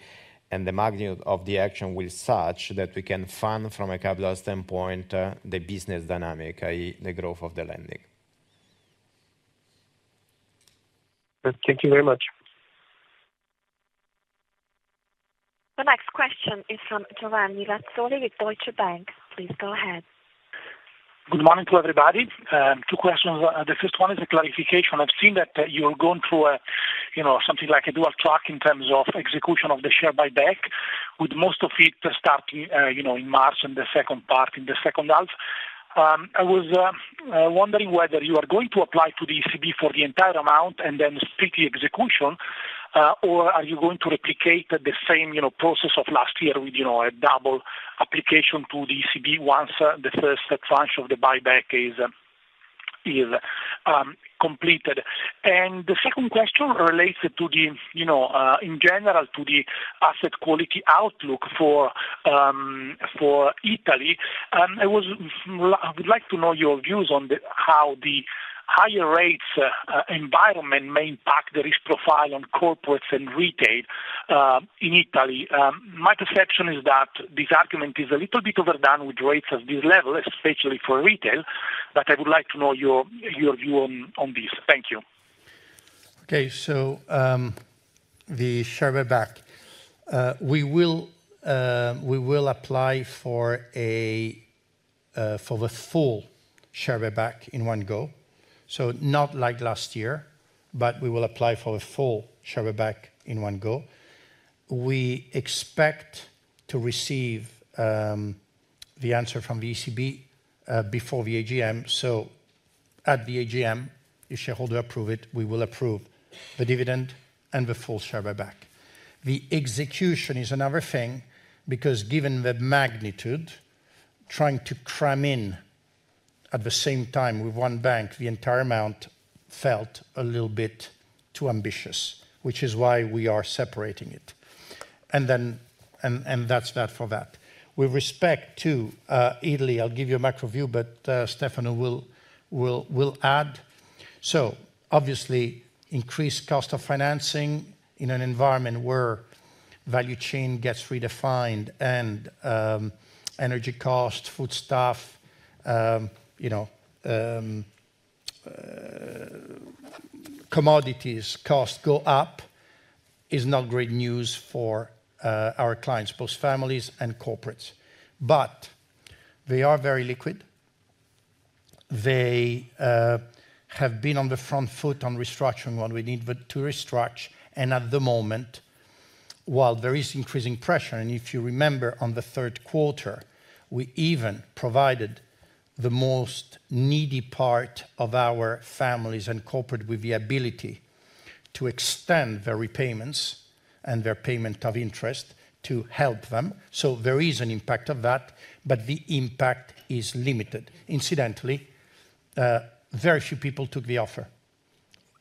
The magnitude of the action will be such that we can fund from a capital standpoint, the business dynamic, i.e., the growth of the lending. Thank you very much. The next question is from Giovanni Razzoli with Deutsche Bank. Please go ahead. Good morning to everybody. Two questions. The first one is a clarification. I've seen that you're going through a, you know, something like a dual track in terms of execution of the share buyback, with most of it starting, you know, in March and the second part in the second half. I was wondering whether you are going to apply to the ECB for the entire amount and then split the execution, or are you going to replicate the same, you know, process of last year with, you know, a double application to the ECB once the first tranche of the buyback is completed? The second question relates to the, you know, in general, to the asset quality outlook for Italy. I was... I would like to know your views on the, how the higher rates environment may impact the risk profile on corporates and retail in Italy. My perception is that this argument is a little bit overdone with rates at this level, especially for retail, but I would like to know your view on this. Thank you. Okay. The share buyback. We will apply for the full share buyback in one go. Not like last year, but we will apply for the full share buyback in one go. We expect to receive the answer from the ECB before the AGM. At the AGM, if shareholder approve it, we will approve the dividend and the full share buyback. The execution is another thing because given the magnitude, trying to cram in at the same time with one bank, the entire amount felt a little bit too ambitious, which is why we are separating it. That's that for that. With respect to Italy, I'll give you a macro view, but Stefano will add. Obviously increased cost of financing in an environment where value chain gets redefined and energy costs, foodstuff, you know, commodities cost go up is not great news for our clients, both families and corporates. They are very liquid. They have been on the front foot on restructuring what we need, but to restructure and at the moment, while there is increasing pressure, and if you remember on the third quarter, we even provided the most needy part of our families and corporate with the ability to extend their repayments and their payment of interest to help them. There is an impact of that, but the impact is limited. Incidentally, very few people took the offer,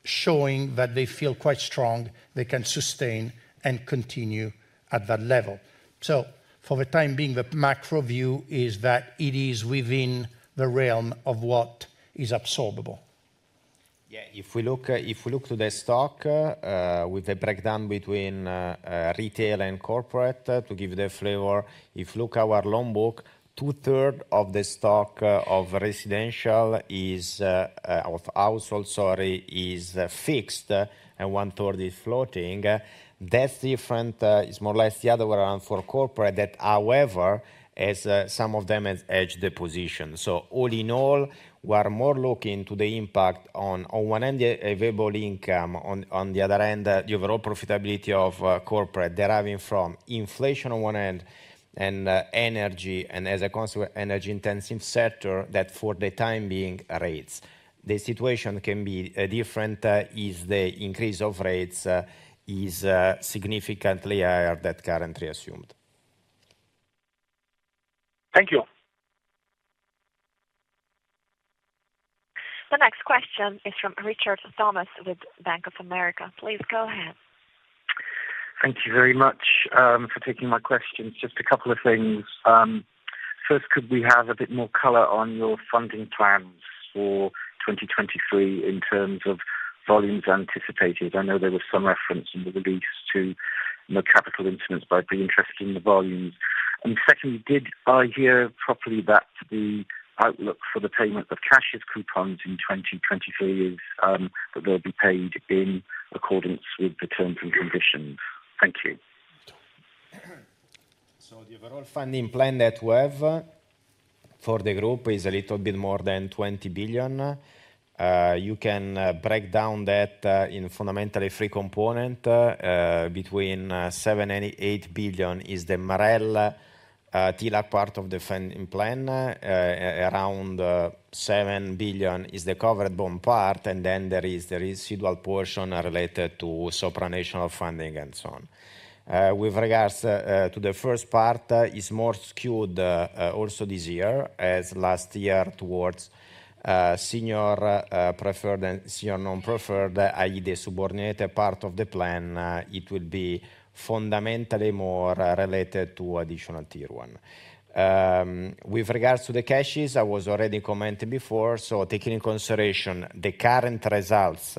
showing that they feel quite strong, they can sustain and continue at that level. For the time being, the macro view is that it is within the realm of what is absorbable. Yeah. If we look, if we look to the stock, with the breakdown between retail and corporate, to give the flavor, if look our loan book, two-thirds of the stock of residential is of household, sorry, is fixed, and one-third is floating. That different is more or less the other way around for corporate that however, as some of them has hedged their position. All in all, we are more looking to the impact on one end, the available income, on the other end, the overall profitability of corporate deriving from inflation on one end and energy, and as a consequence, energy intensive sector that for the time being rates. The situation can be different if the increase of rates is significantly higher than currently assumed. Thank you. The next question is from Richard Thomas with Bank of America. Please go ahead. Thank you very much, for taking my questions. Just a couple of things. First, could we have a bit more color on your funding plans for 2023 in terms of volumes anticipated? I know there was some reference in the release to more capital instruments, but I'd be interested in the volumes. Secondly, did I hear properly that the outlook for the payment of cash AT1 coupons in 2023 is that they'll be paid in accordance with the terms and conditions? Thank you. The overall funding plan that we have for the group is a little bit more than 20 billion. You can break down that in fundamentally 3 component, between 7 billion-8 billion is the MREL TLAC part of the funding plan. Around 7 billion is the covered bond part, and then there is the residual portion related to supranational funding and so on. With regards to the first part, is more skewed, also this year as last year towards senior preferred and senior non-preferred, i.e. the subordinate part of the plan, it will be fundamentally more related to Additional Tier 1. With regards to the cashes, I was already commenting before, so taking in consideration the current results,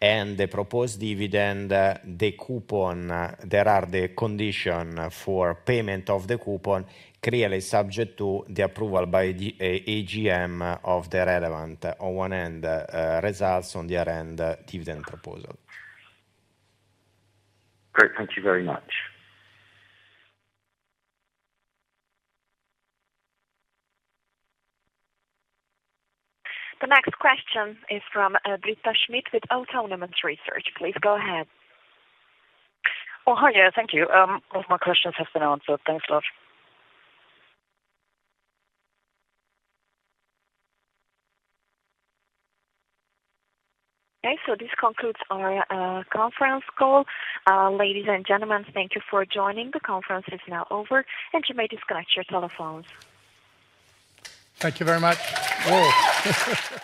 and the proposed dividend, the coupon, there are the condition for payment of the coupon clearly subject to the approval by the AGM of the relevant on one end, results, on the other end, dividend proposal. Great. Thank you very much. The next question is from, Britta Schmidt with Autonomous Research. Please go ahead. Hi. Thank you. Most of my questions have been answered. Thanks a lot. Okay. This concludes our conference call. Ladies and gentlemen, thank you for joining. The conference is now over, and you may disconnect your telephones. Thank you very much. Whoa.